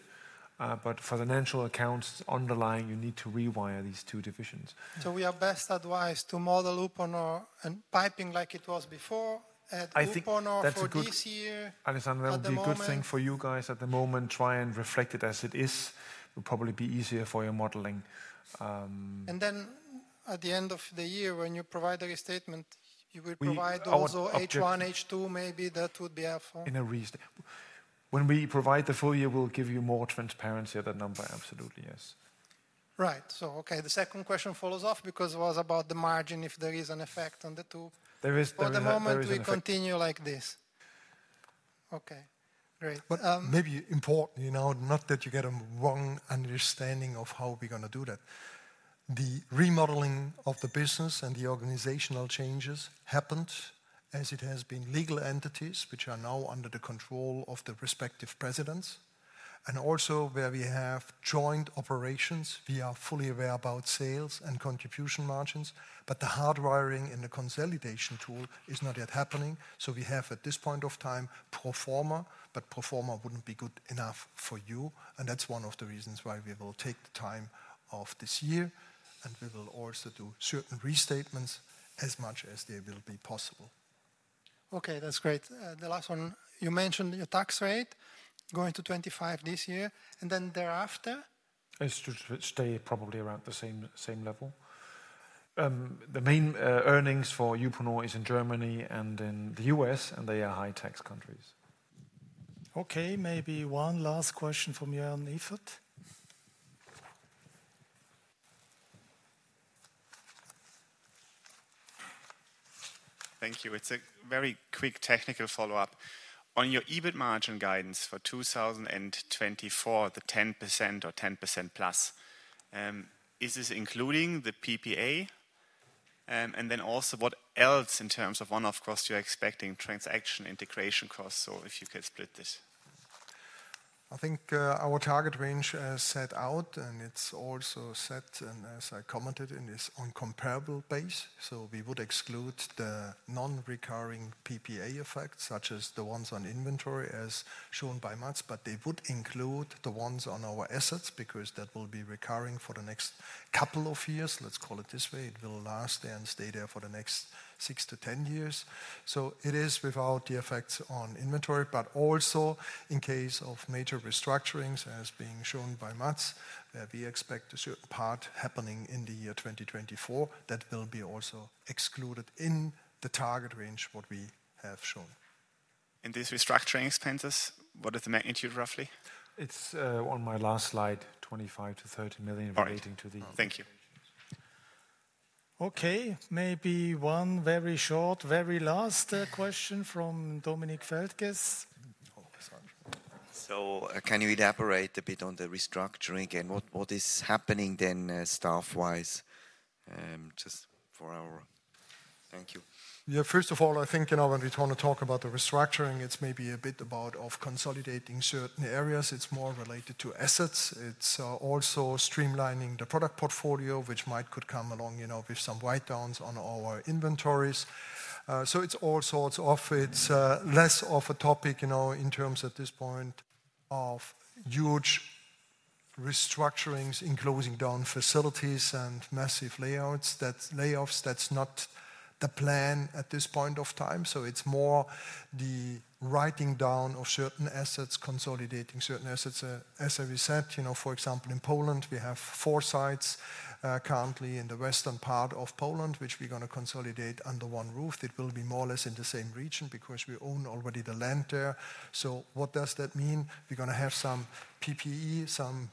But for financial accounts underlying, you need to rewire these two divisions. We are best advised to model Uponor and Piping like it was before, add Uponor for this year- I think that's a good- at the moment. Alexander, that would be a good thing for you guys at the moment. Try and reflect it as it is. It will probably be easier for your modeling. And then at the end of the year, when you provide a restatement, you will provide- Our objective Also H1, H2, maybe that would be helpful. When we provide the full year, we'll give you more transparency of that number. Absolutely, yes. Right. So, okay, the second question follows off because it was about the margin, if there is an effect on the two. There is then, there is For the moment, we continue like this. Okay, great. But maybe important, you know, not that you get a wrong understanding of how we're gonna do that. The remodeling of the business and the organizational changes happened as it has been legal entities, which are now under the control of the respective presidents, and also where we have joint operations, we are fully aware about sales and contribution margins, but the hardwiring in the consolidation tool is not yet happening. So we have, at this point of time, pro forma, but pro forma wouldn't be good enough for you, and that's one of the reasons why we will take the time of this year, and we will also do certain restatements as much as they will be possible. Okay, that's great. The last one: You mentioned your tax rate going to 25% this year, and then thereafter? It should stay probably around the same, same level. The main earnings for Uponor is in Germany and in the U.S., and they are high-tax countries. Okay, maybe one last question from Jörn Iffert. Thank you. It's a very quick technical follow-up. On your EBIT margin guidance for 2024, the 10% or 10%+, is this including the PPA? And then also, what else in terms of one-off costs you're expecting, transaction integration costs, so if you could split this. I think, our target range, set out, and it's also set, and as I commented, in this on comparable base. So we would exclude the non-recurring PPA effects, such as the ones on inventory, as shown by Mads, but they would include the ones on our assets, because that will be recurring for the next couple of years. Let's call it this way. It will last and stay there for the next 6-10 years. So it is without the effects on inventory, but also in case of major restructurings, as being shown by Mads, we expect a certain part happening in the year 2024. That will be also excluded in the target range, what we have shown. In these restructuring expenses, what is the magnitude, roughly? It's on my last slide, 25 million-30 million- All right relating to the Thank you. Okay, maybe one very short, very last question from Dominik Feldges. Oh, sorry. So, can you elaborate a bit on the restructuring and what is happening then, staff-wise? Just for our... Thank you. Yeah, first of all, I think, you know, when we wanna talk about the restructuring, it's maybe a bit of consolidating certain areas. It's more related to assets. It's also streamlining the product portfolio, which could come along, you know, with some write-downs on our inventories. So it's all sorts of. It's less of a topic, you know, in terms of at this point of huge restructurings in closing down facilities and massive layoffs. Layoffs, that's not the plan at this point in time. So it's more the writing down of certain assets, consolidating certain assets. As I said, you know, for example, in Poland, we have 4 sites currently in the western part of Poland, which we're gonna consolidate under one roof. It will be more or less in the same region because we own already the land there. So what does that mean? We're gonna have some PPE, some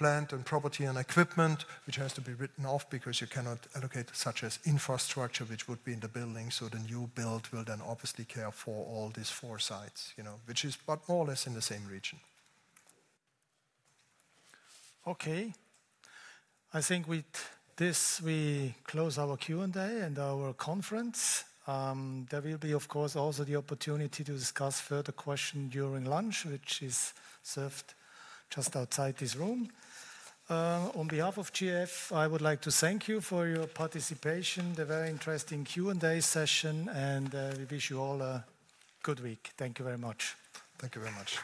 plant and property and equipment, which has to be written off because you cannot allocate, such as infrastructure, which would be in the building. So the new build will then obviously care for all these four sites, you know, which is, but more or less in the same region. Okay. I think with this, we close our Q&A and our conference. There will be, of course, also the opportunity to discuss further question during lunch, which is served just outside this room. On behalf of GF, I would like to thank you for your participation, the very interesting Q&A session, and, we wish you all a good week. Thank you very much. Thank you very much.